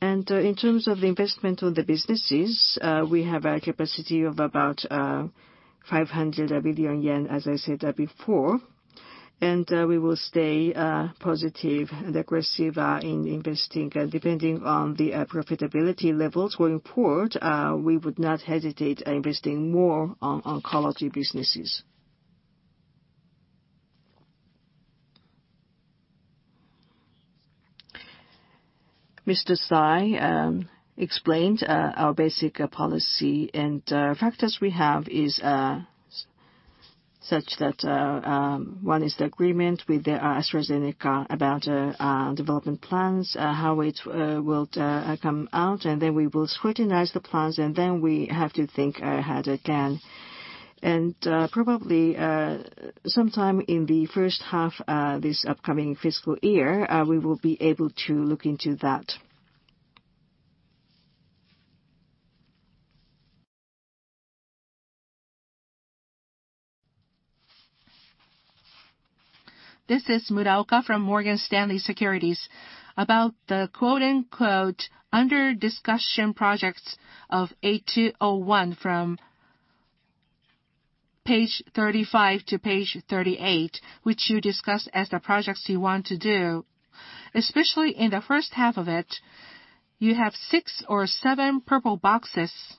In terms of the investment on the businesses, we have a capacity of about 500 billion yen, as I said before. We will stay positive and aggressive in investing, depending on the profitability levels going forward.
We would not hesitate investing more on oncology businesses. Mr. Sai explained our basic policy, factors we have is such that one is the agreement with AstraZeneca about development plans, how it will come out, we will scrutinize the plans, we have to think ahead again. Probably, sometime in the first half this upcoming fiscal year, we will be able to look into that.
This is Muraoka from Morgan Stanley Securities. About the "under discussion projects" of A201 from page 35 to page 38, which you discussed as the projects you want to do, especially in the first half of it, you have six or seven purple boxes.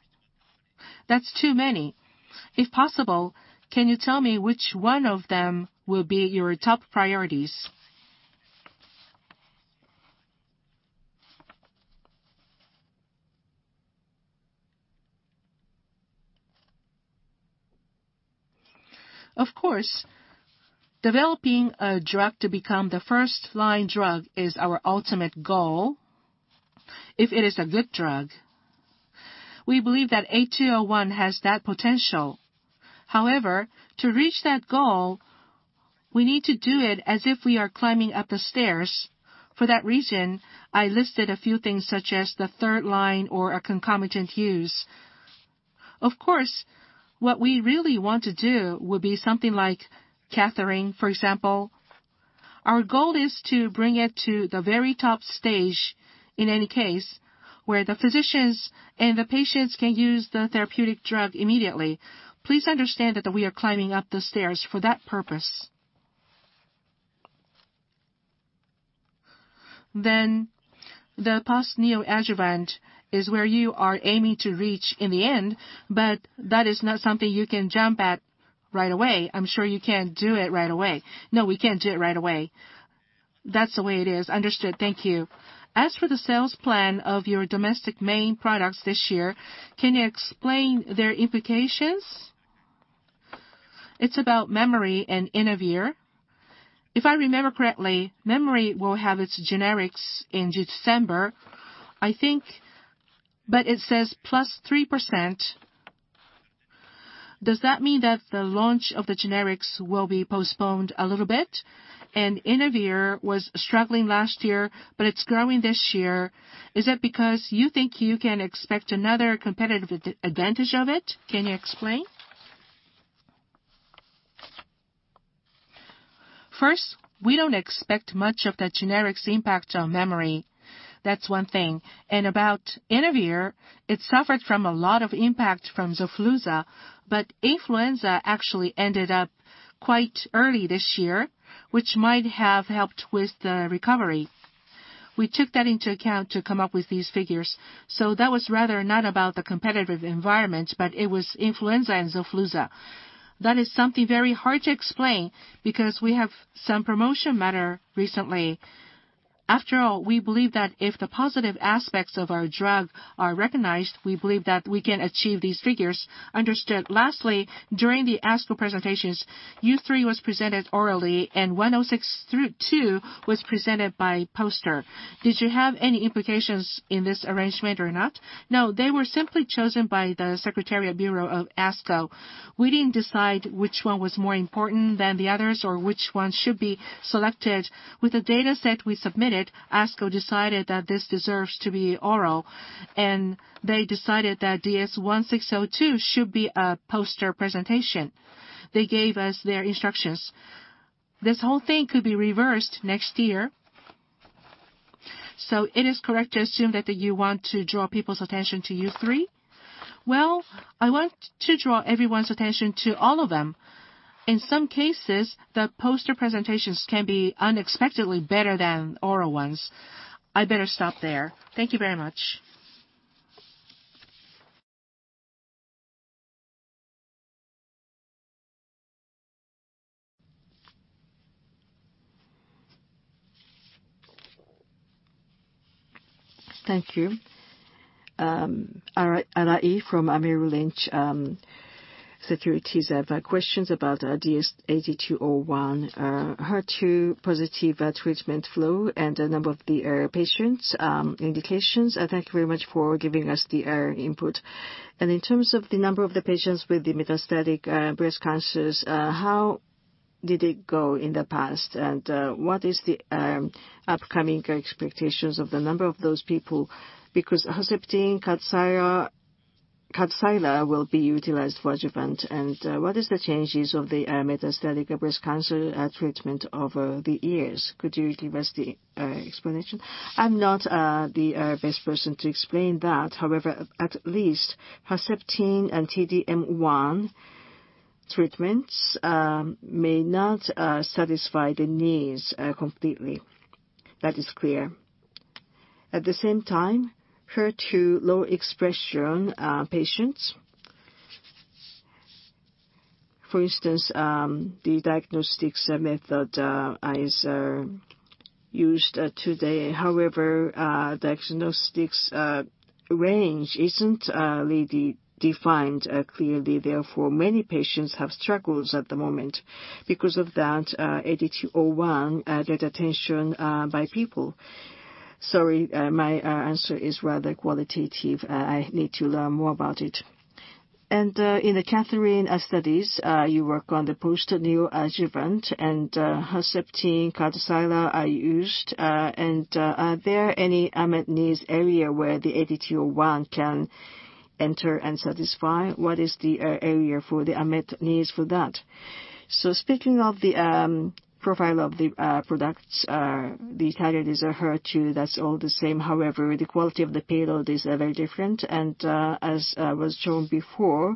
That's too many. If possible, can you tell me which one of them will be your top priorities?
Of course. Developing a drug to become the first-line drug is our ultimate goal. We believe that DS-8201 has that potential. To reach that goal, we need to do it as if we are climbing up the stairs. For that reason, I listed a few things such as the 3rd line or a concomitant use. Of course, what we really want to do would be something like KATHERINE, for example. Our goal is to bring it to the very top stage in any case, where the physicians and the patients can use the therapeutic drug immediately. Please understand that we are climbing up the stairs for that purpose. The post-neo-adjuvant is where you are aiming to reach in the end, but that is not something you can jump at right away. I'm sure you can't do it right away. No, we can't do it right away. That's the way it is.
Understood. Thank you. As for the sales plan of your domestic main products this year, can you explain their implications? It's about Memary and Inavir. If I remember correctly, Memary will have its generics in December, I think. It says plus 3%. Does that mean that the launch of the generics will be postponed a little bit? Inavir was struggling last year, but it's growing this year. Is that because you think you can expect another competitive advantage of it? Can you explain? First, we don't expect much of the generics impact on Memary. That's one thing. About Inavir, it suffered from a lot of impact from XOFLUZA, but influenza actually ended up quite early this year, which might have helped with the recovery. We took that into account to come up with these figures. That was rather not about the competitive environment, but it was influenza and XOFLUZA.
That is something very hard to explain because we have some promotion matter recently. After all, we believe that if the positive aspects of our drug are recognized, we believe that we can achieve these figures. Understood. Lastly, during the ASCO presentations, U3 was presented orally and 1062 was presented by poster. Did you have any implications in this arrangement or not? No, they were simply chosen by the Secretariat Bureau of ASCO. We didn't decide which one was more important than the others or which one should be selected. With the data set we submitted, ASCO decided that this deserves to be oral, and they decided that DS-1062 should be a poster presentation. They gave us their instructions. This whole thing could be reversed next year. Is it correct to assume that you want to draw people's attention to U3?
Well, I want to draw everyone's attention to all of them. In some cases, the poster presentations can be unexpectedly better than oral ones. I better stop there. Thank you very much.
Thank you. Arai from Merrill Lynch Securities. I have questions about DS-8201, HER2 positive treatment flow and the number of the patients indications. Thank you very much for giving us the input. In terms of the number of the patients with the metastatic breast cancers, how did it go in the past? What is the upcoming expectations of the number of those people? Because Herceptin, Kadcyla will be utilized for adjuvant. What is the changes of the metastatic breast cancer treatment over the years? Could you give us the explanation?
I'm not the best person to explain that. At least Herceptin and T-DM1 treatments may not satisfy the needs completely. That is clear. At the same time, HER2 low expression patients, for instance, the diagnostics method is used today. Diagnostics range isn't really defined clearly. Many patients have struggles at the moment. Because of that, DS-8201 get attention by people. Sorry, my answer is rather qualitative. I need to learn more about it.
In the KATHERINE studies, you work on the post neoadjuvant and Herceptin, Kadcyla are used. Are there any unmet needs area where the DS-8201 can enter and satisfy? What is the area for the unmet needs for that?
Speaking of the profile of the products, the target is HER2. That's all the same. The quality of the payload is very different. As was shown before,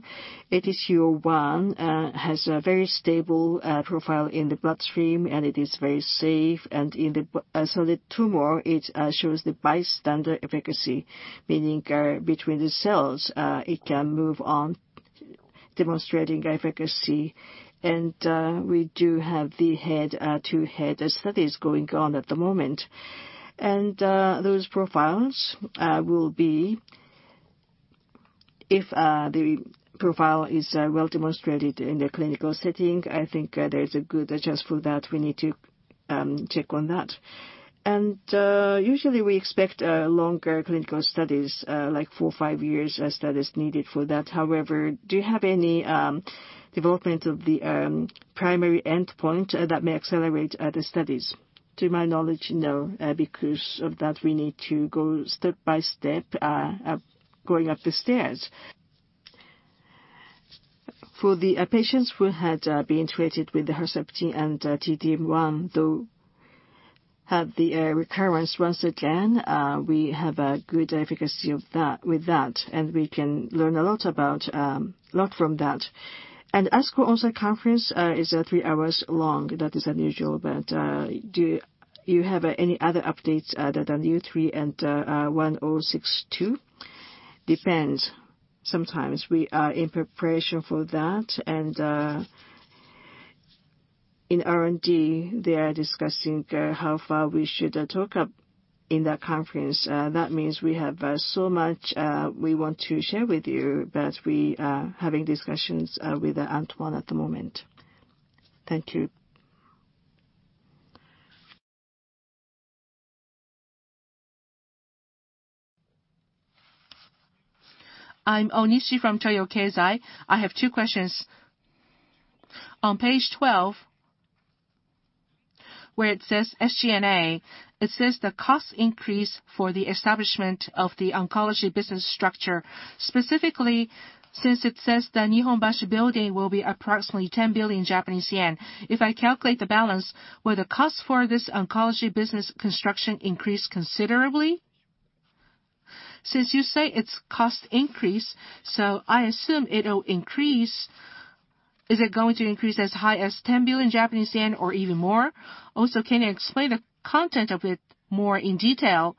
DS-8201 has a very stable profile in the bloodstream, and it is very safe. In the solid tumor, it shows the bystander efficacy, meaning between the cells it can move on demonstrating efficacy. We do have the head-to-head studies going on at the moment. Those profiles will be, if the profile is well demonstrated in the clinical setting, I think there is a good chance for that. We need to
Check on that. Usually we expect longer clinical studies like four or five years studies needed for that. However, do you have any development of the primary endpoint that may accelerate the studies?
To my knowledge, no. Because of that, we need to go step by step going up the stairs. For the patients who had been treated with the Herceptin and T-DM1, though, had the recurrence once again. We have a good efficacy with that, and we can learn a lot from that. ASCO onsite conference is three hours long. That is unusual, but do you have any other updates other than U3 and 1062?
Depends. Sometimes we are in preparation for that. In R&D, they are discussing how far we should talk in that conference. That means we have so much we want to share with you. We are having discussions with Antoine at the moment.
Thank you. I'm Onishi from Chiyoda Keizai. I have two questions. On page 12, where it says SG&A, it says the cost increase for the establishment of the oncology business structure. Specifically, since it says the Nihonbashi building will be approximately 10 billion Japanese yen. If I calculate the balance, will the cost for this oncology business construction increase considerably? Since you say it's cost increase, so I assume it'll increase. Is it going to increase as high as 10 billion Japanese yen or even more? Also, can you explain the content of it more in detail?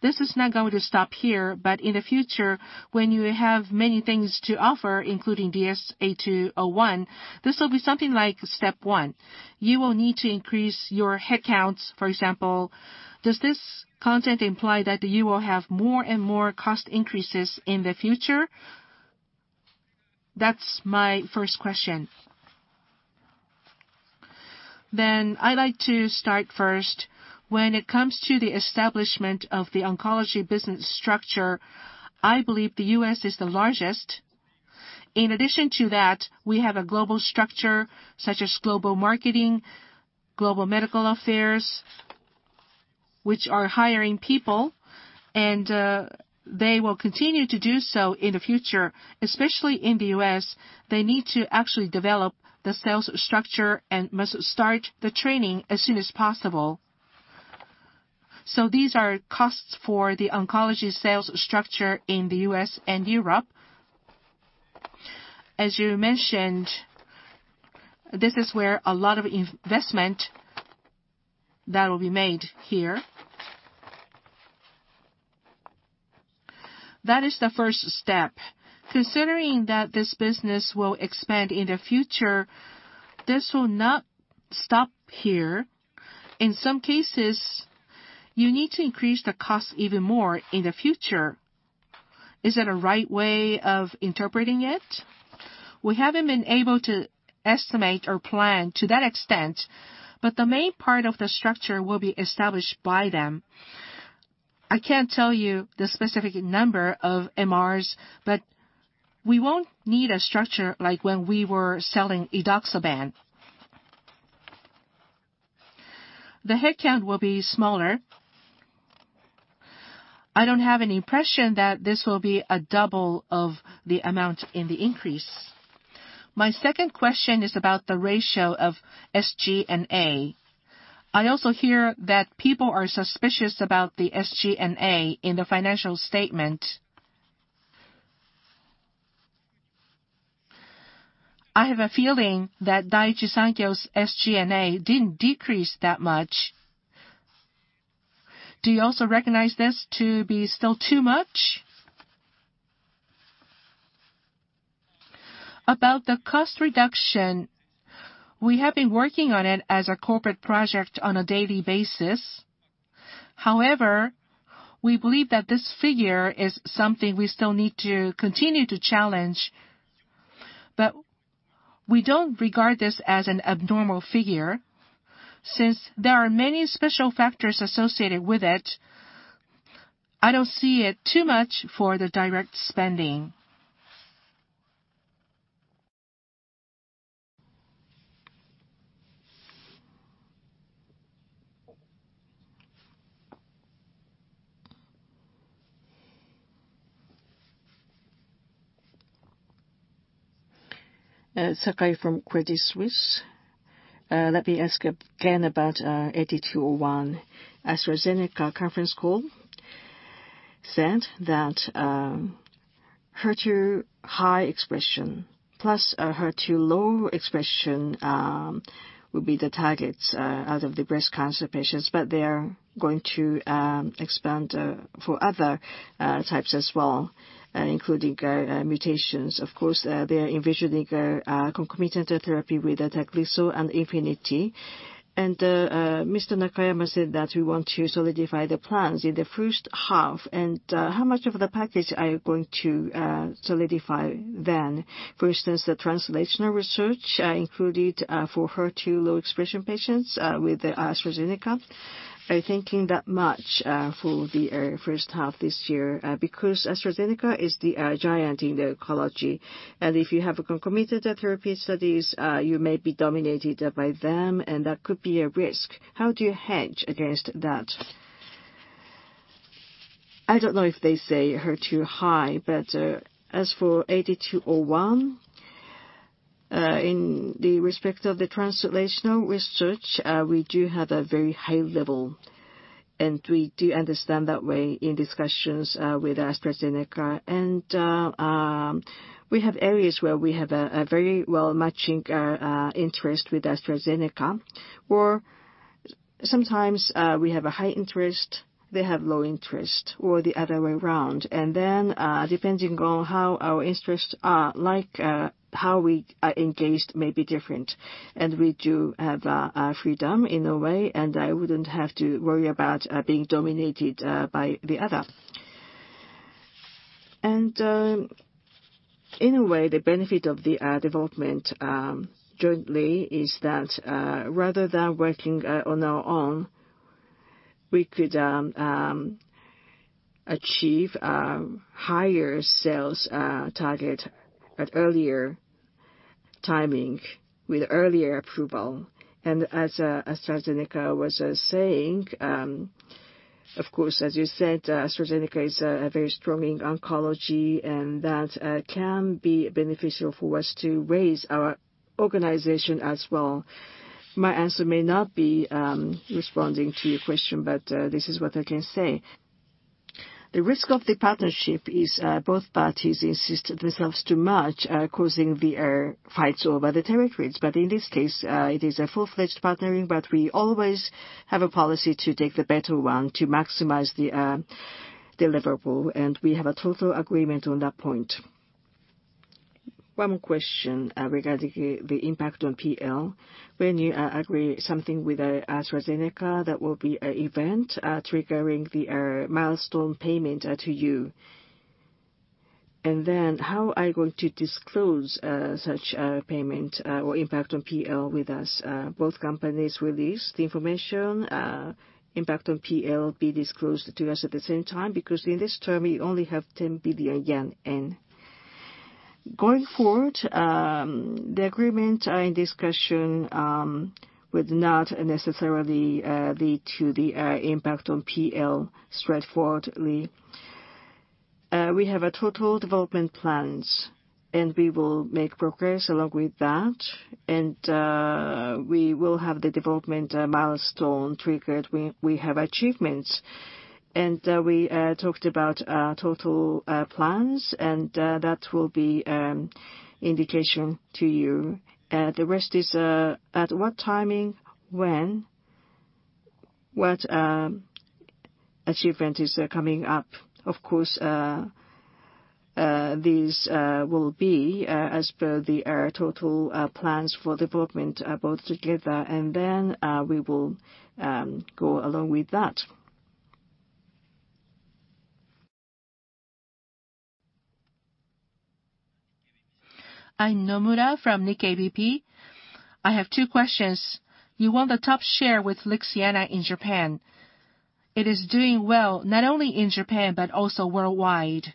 This is not going to stop here. In the future when you have many things to offer, including DS-8201, this will be something like step 1. You will need to increase your headcounts, for example. Does this content imply that you will have more and more cost increases in the future?
I'd like to start first. When it comes to the establishment of the oncology business structure, I believe the U.S. is the largest. In addition to that, we have a global structure such as global marketing, global medical affairs, which are hiring people and they will continue to do so in the future. Especially in the U.S., they need to actually develop the sales structure and must start the training as soon as possible. These are costs for the oncology sales structure in the U.S. and Europe. As you mentioned, this is where a lot of investment that will be made here. That is the first step. Considering that this business will expand in the future, this will not stop here. In some cases, you need to increase the cost even more in the future. Is that a right way of interpreting it?
We haven't been able to estimate or plan to that extent, but the main part of the structure will be established by them. I can't tell you the specific number of MRs, but we won't need a structure like when we were selling edoxaban. The headcount will be smaller. I don't have an impression that this will be a double of the amount in the increase. My second question is about the ratio of SG&A. I also hear that people are suspicious about the SG&A in the financial statement. I have a feeling that Daiichi Sankyo's SG&A didn't decrease that much. Do you also recognize this to be still too much? About the cost reduction, we have been working on it as a corporate project on a daily basis. However, we believe that this figure is something we still need to continue to challenge.
We don't regard this as an abnormal figure since there are many special factors associated with it. I don't see it too much for the direct spending.
Sakai from Credit Suisse. Let me ask again about DS-8201. AstraZeneca conference call said that HER2 high expression plus HER2 low expression will be the targets out of the breast cancer patients, they are going to expand for other types as well, including mutations. Of course, they are envisioning concomitant therapy with Tagrisso and Imfinzi. Mr. Nakayama said that we want to solidify the plans in the first half. How much of the package are you going to solidify then? For instance, the translational research included for HER2 low expression patients with AstraZeneca. Are you thinking that much for the first half this year? AstraZeneca is the giant in the oncology, if you have concomitant therapy studies, you may be dominated by them, and that could be a risk.
How do you hedge against that? I don't know if they say HER2 high, but as for DS-8201, in the respect of the translational research, we do have a very high level, and we do understand that way in discussions with AstraZeneca. We have areas where we have a very well matching interest with AstraZeneca. Sometimes we have a high interest, they have low interest or the other way around. Then, depending on how our interests are like, how we are engaged may be different, and I do have freedom in a way, and I wouldn't have to worry about being dominated by the other. In a way, the benefit of the development jointly is that rather than working on our own, we could achieve a higher sales target at earlier timing with earlier approval.
As AstraZeneca was saying, of course, as you said, AstraZeneca is very strong in oncology, that can be beneficial for us to raise our organization as well. My answer may not be responding to your question, this is what I can say. The risk of the partnership is both parties insist themselves too much, causing the fights over the territories. In this case, it is a full-fledged partnering, we always have a policy to take the better one to maximize the deliverable, we have a total agreement on that point. One more question regarding the impact on P/L. When you agree something with AstraZeneca, that will be an event triggering the milestone payment to you. Then how are you going to disclose such a payment or impact on P/L with us?
Both companies release the information, impact on P/L be disclosed to us at the same time, because in this term, we only have 10 billion yen. Going forward, the agreement in discussion would not necessarily lead to the impact on P/L straightforwardly. We have total development plans, we will make progress along with that. We will have the development milestone triggered when we have achievements. We talked about total plans, that will be an indication to you. The rest is at what timing, when, what achievement is coming up. Of course, these will be as per the total plans for development both together. Then we will go along with that.
I'm Nomura from Nikkei BP. I have two questions. You want the top share with LIXIANA in Japan. It is doing well, not only in Japan but also worldwide.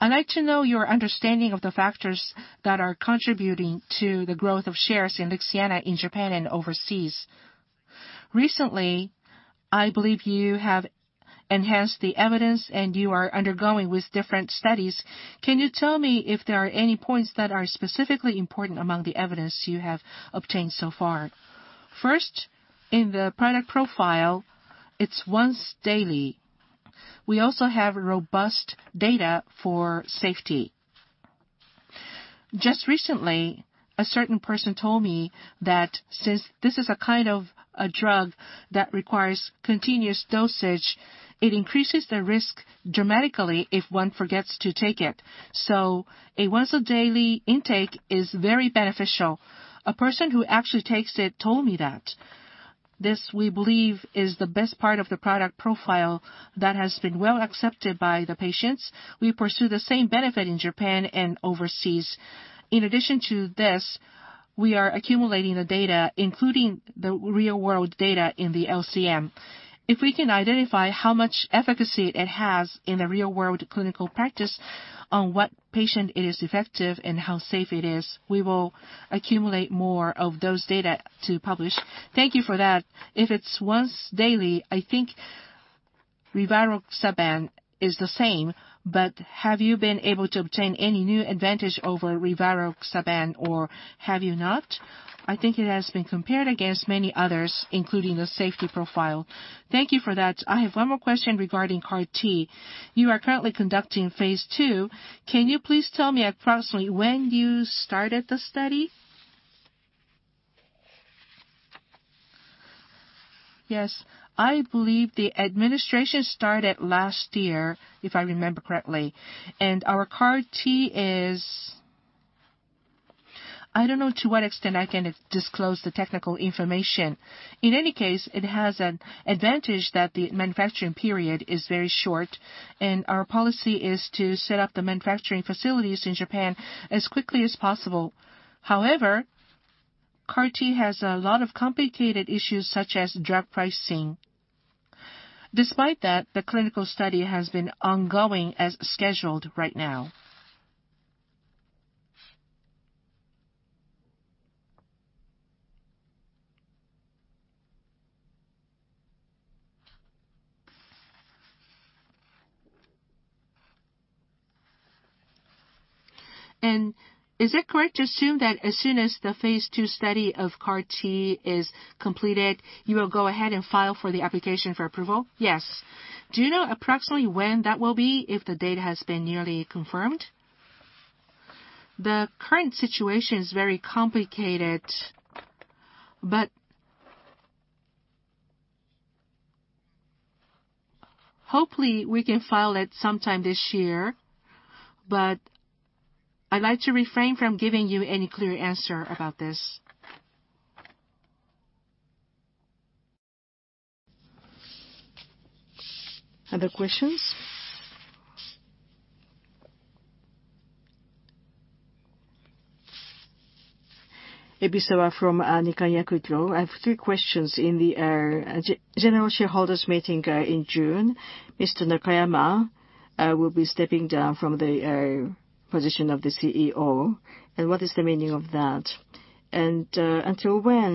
I'd like to know your understanding of the factors that are contributing to the growth of shares in LIXIANA in Japan and overseas. Recently, I believe you have enhanced the evidence, you are undergoing with different studies. Can you tell me if there are any points that are specifically important among the evidence you have obtained so far?
In the product profile, it's once daily. We also have robust data for safety. Just recently, a certain person told me that since this is a kind of a drug that requires continuous dosage, it increases the risk dramatically if one forgets to take it. A once-a-daily intake is very beneficial. A person who actually takes it told me that. This, we believe, is the best part of the product profile that has been well accepted by the patients. We pursue the same benefit in Japan and overseas. In addition to this, we are accumulating the data, including the real-world data in the LCM. If we can identify how much efficacy it has in the real-world clinical practice, on what patient it is effective and how safe it is, we will accumulate more of those data to publish.
Thank you for that. If it's once daily, I think rivaroxaban is the same, but have you been able to obtain any new advantage over rivaroxaban, or have you not?
I think it has been compared against many others, including the safety profile.
Thank you for that. I have one more question regarding CAR-T. You are currently conducting phase II. Can you please tell me approximately when you started the study?
Yes. I believe the administration started last year, if I remember correctly. Our CAR-T I don't know to what extent I can disclose the technical information. In any case, it has an advantage that the manufacturing period is very short, and our policy is to set up the manufacturing facilities in Japan as quickly as possible. However, CAR-T has a lot of complicated issues, such as drug pricing. Despite that, the clinical study has been ongoing as scheduled right now.
Is it correct to assume that as soon as the phase II study of CAR-T is completed, you will go ahead and file for the application for approval?
Yes.
Do you know approximately when that will be if the data has been nearly confirmed?
The current situation is very complicated, hopefully we can file it sometime this year. I'd like to refrain from giving you any clear answer about this. Other questions?
Ebisawa from [Nikko Yakudo]. I have three questions. In the general shareholders meeting in June, Mr. Nakayama will be stepping down from the position of the CEO. What is the meaning of that? Until when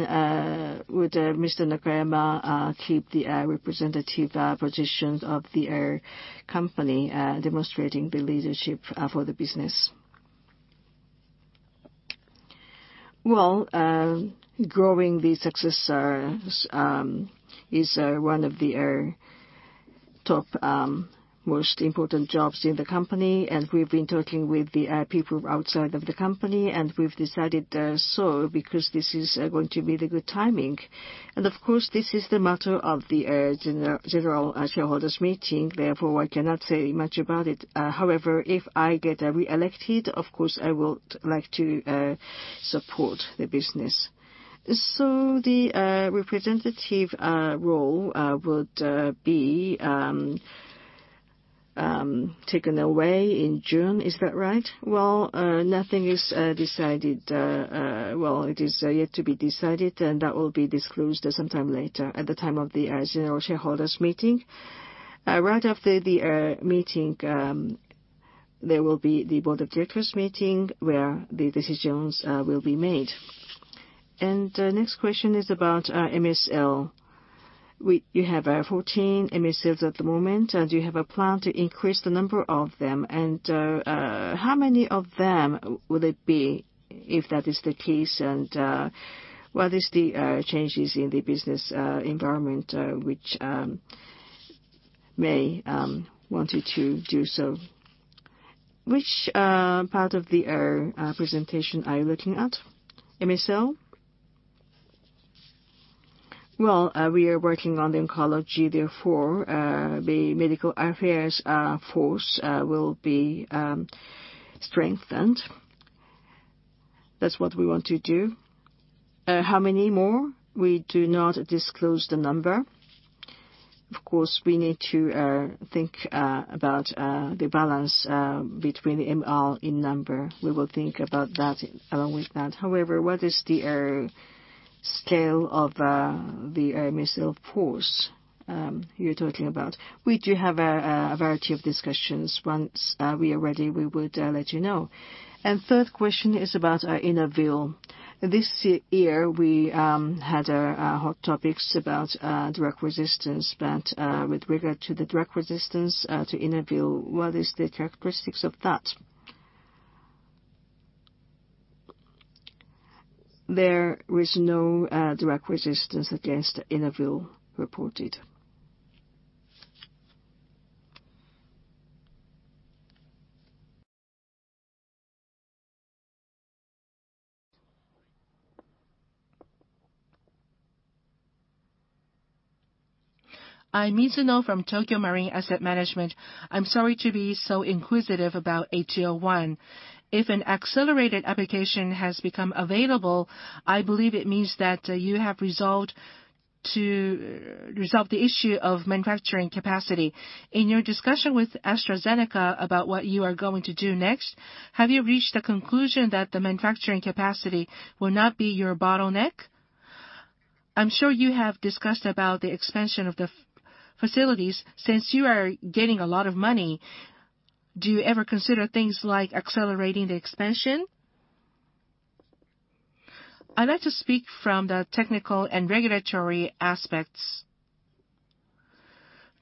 would Mr. Nakayama keep the representative positions of the company, demonstrating the leadership for the business?
Growing the successors is one of the top most important jobs in the company, and we've been talking with the people outside of the company, and we've decided so because this is going to be the good timing. Of course, this is the matter of the general shareholders meeting, therefore, I cannot say much about it. However, if I get reelected, of course I would like to support the business. So the representative role would be taken away in June, is that right? Nothing is decided. It is yet to be decided, and that will be disclosed sometime later at the time of the general shareholders meeting. Right after the meeting, there will be the board of directors meeting where the decisions will be made.
Next question is about MSL. You have 14 MSLs at the moment, and you have a plan to increase the number of them. How many of them would it be if that is the case? What is the changes in the business environment which made wanted to do so? Which part of the presentation are you looking at? MSL?
We are working on the oncology, therefore, the medical affairs force will be strengthened. That's what we want to do. How many more? We do not disclose the number. Of course, we need to think about the balance between the MR in number. We will think about that along with that. However, what is the scale of the MSL force you're talking about? We do have a variety of discussions. Once we are ready, we would let you know.
Third question is about Inavir. This year, we had hot topics about drug resistance. With regard to the drug resistance to Inavir, what is the characteristics of that?
There is no drug resistance against Inavir reported.
I'm Mizuno from Tokio Marine Asset Management. I'm sorry to be so inquisitive about DS-8201. If an accelerated application has become available, I believe it means that you have resolved the issue of manufacturing capacity. In your discussion with AstraZeneca about what you are going to do next, have you reached a conclusion that the manufacturing capacity will not be your bottleneck? I'm sure you have discussed about the expansion of the facilities. Since you are getting a lot of money, do you ever consider things like accelerating the expansion?
I'd like to speak from the technical and regulatory aspects.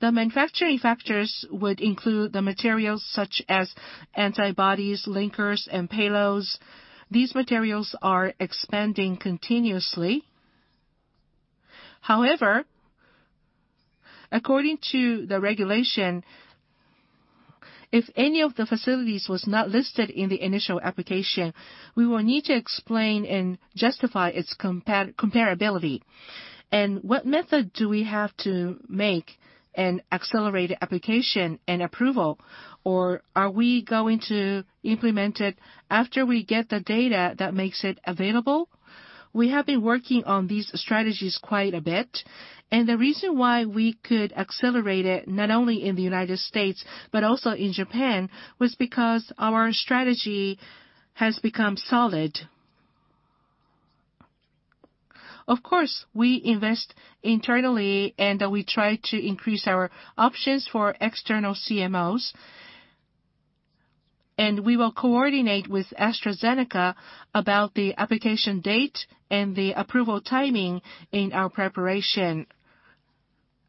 The manufacturing factors would include the materials such as antibodies, linkers, and payloads. These materials are expanding continuously. However, according to the regulation, if any of the facilities was not listed in the initial application, we will need to explain and justify its comparability. What method do we have to make an accelerated application and approval? Are we going to implement it after we get the data that makes it available? We have been working on these strategies quite a bit, and the reason why we could accelerate it, not only in the U.S., but also in Japan, was because our strategy has become solid. Of course, we invest internally, and we try to increase our options for external CMOs. We will coordinate with AstraZeneca about the application date and the approval timing in our preparation,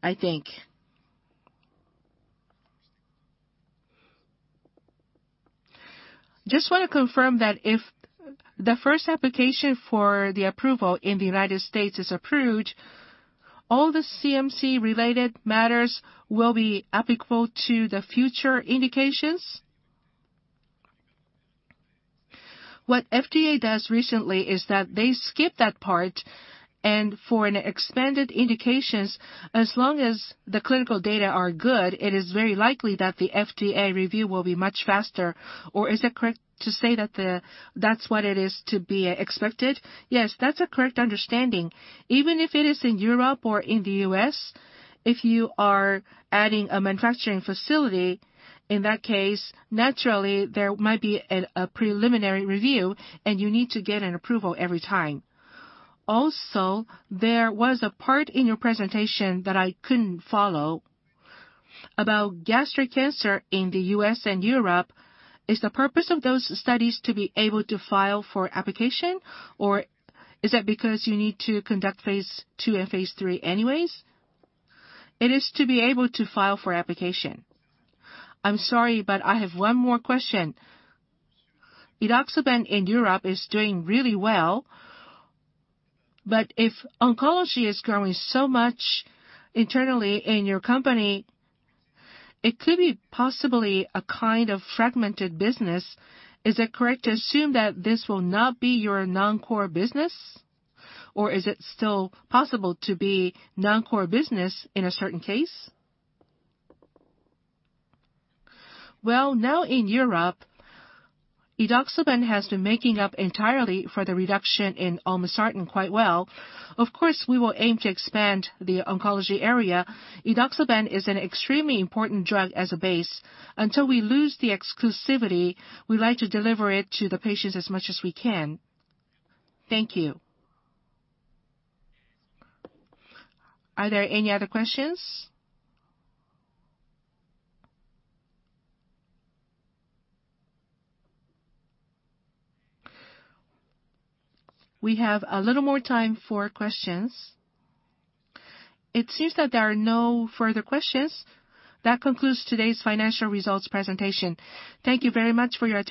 I think.
Just want to confirm that if the first application for the approval in the U.S. is approved, all the CMC-related matters will be applicable to the future indications? What FDA does recently is that they skip that part and for expanded indications, as long as the clinical data are good, it is very likely that the FDA review will be much faster. Is it correct to say that that's what is to be expected?
Yes, that's a correct understanding. Even if it is in Europe or in the U.S., if you are adding a manufacturing facility, in that case, naturally there might be a preliminary review, and you need to get an approval every time.
Also, there was a part in your presentation that I couldn't follow about gastric cancer in the U.S. and Europe. Is the purpose of those studies to be able to file for application, or is it because you need to conduct phase II and phase III anyways?
It is to be able to file for application.
I'm sorry, I have one more question. Edoxaban in Europe is doing really well, but if oncology is growing so much internally in your company, it could be possibly a kind of fragmented business. Is it correct to assume that this will not be your non-core business, or is it still possible to be non-core business in a certain case?
Well, now in Europe, Edoxaban has been making up entirely for the reduction in Olmesartan quite well. Of course, we will aim to expand the oncology area. Edoxaban is an extremely important drug as a base. Until we lose the exclusivity, we like to deliver it to the patients as much as we can.
Thank you.
Are there any other questions? We have a little more time for questions. It seems that there are no further questions. That concludes today's financial results presentation. Thank you very much for your attendance.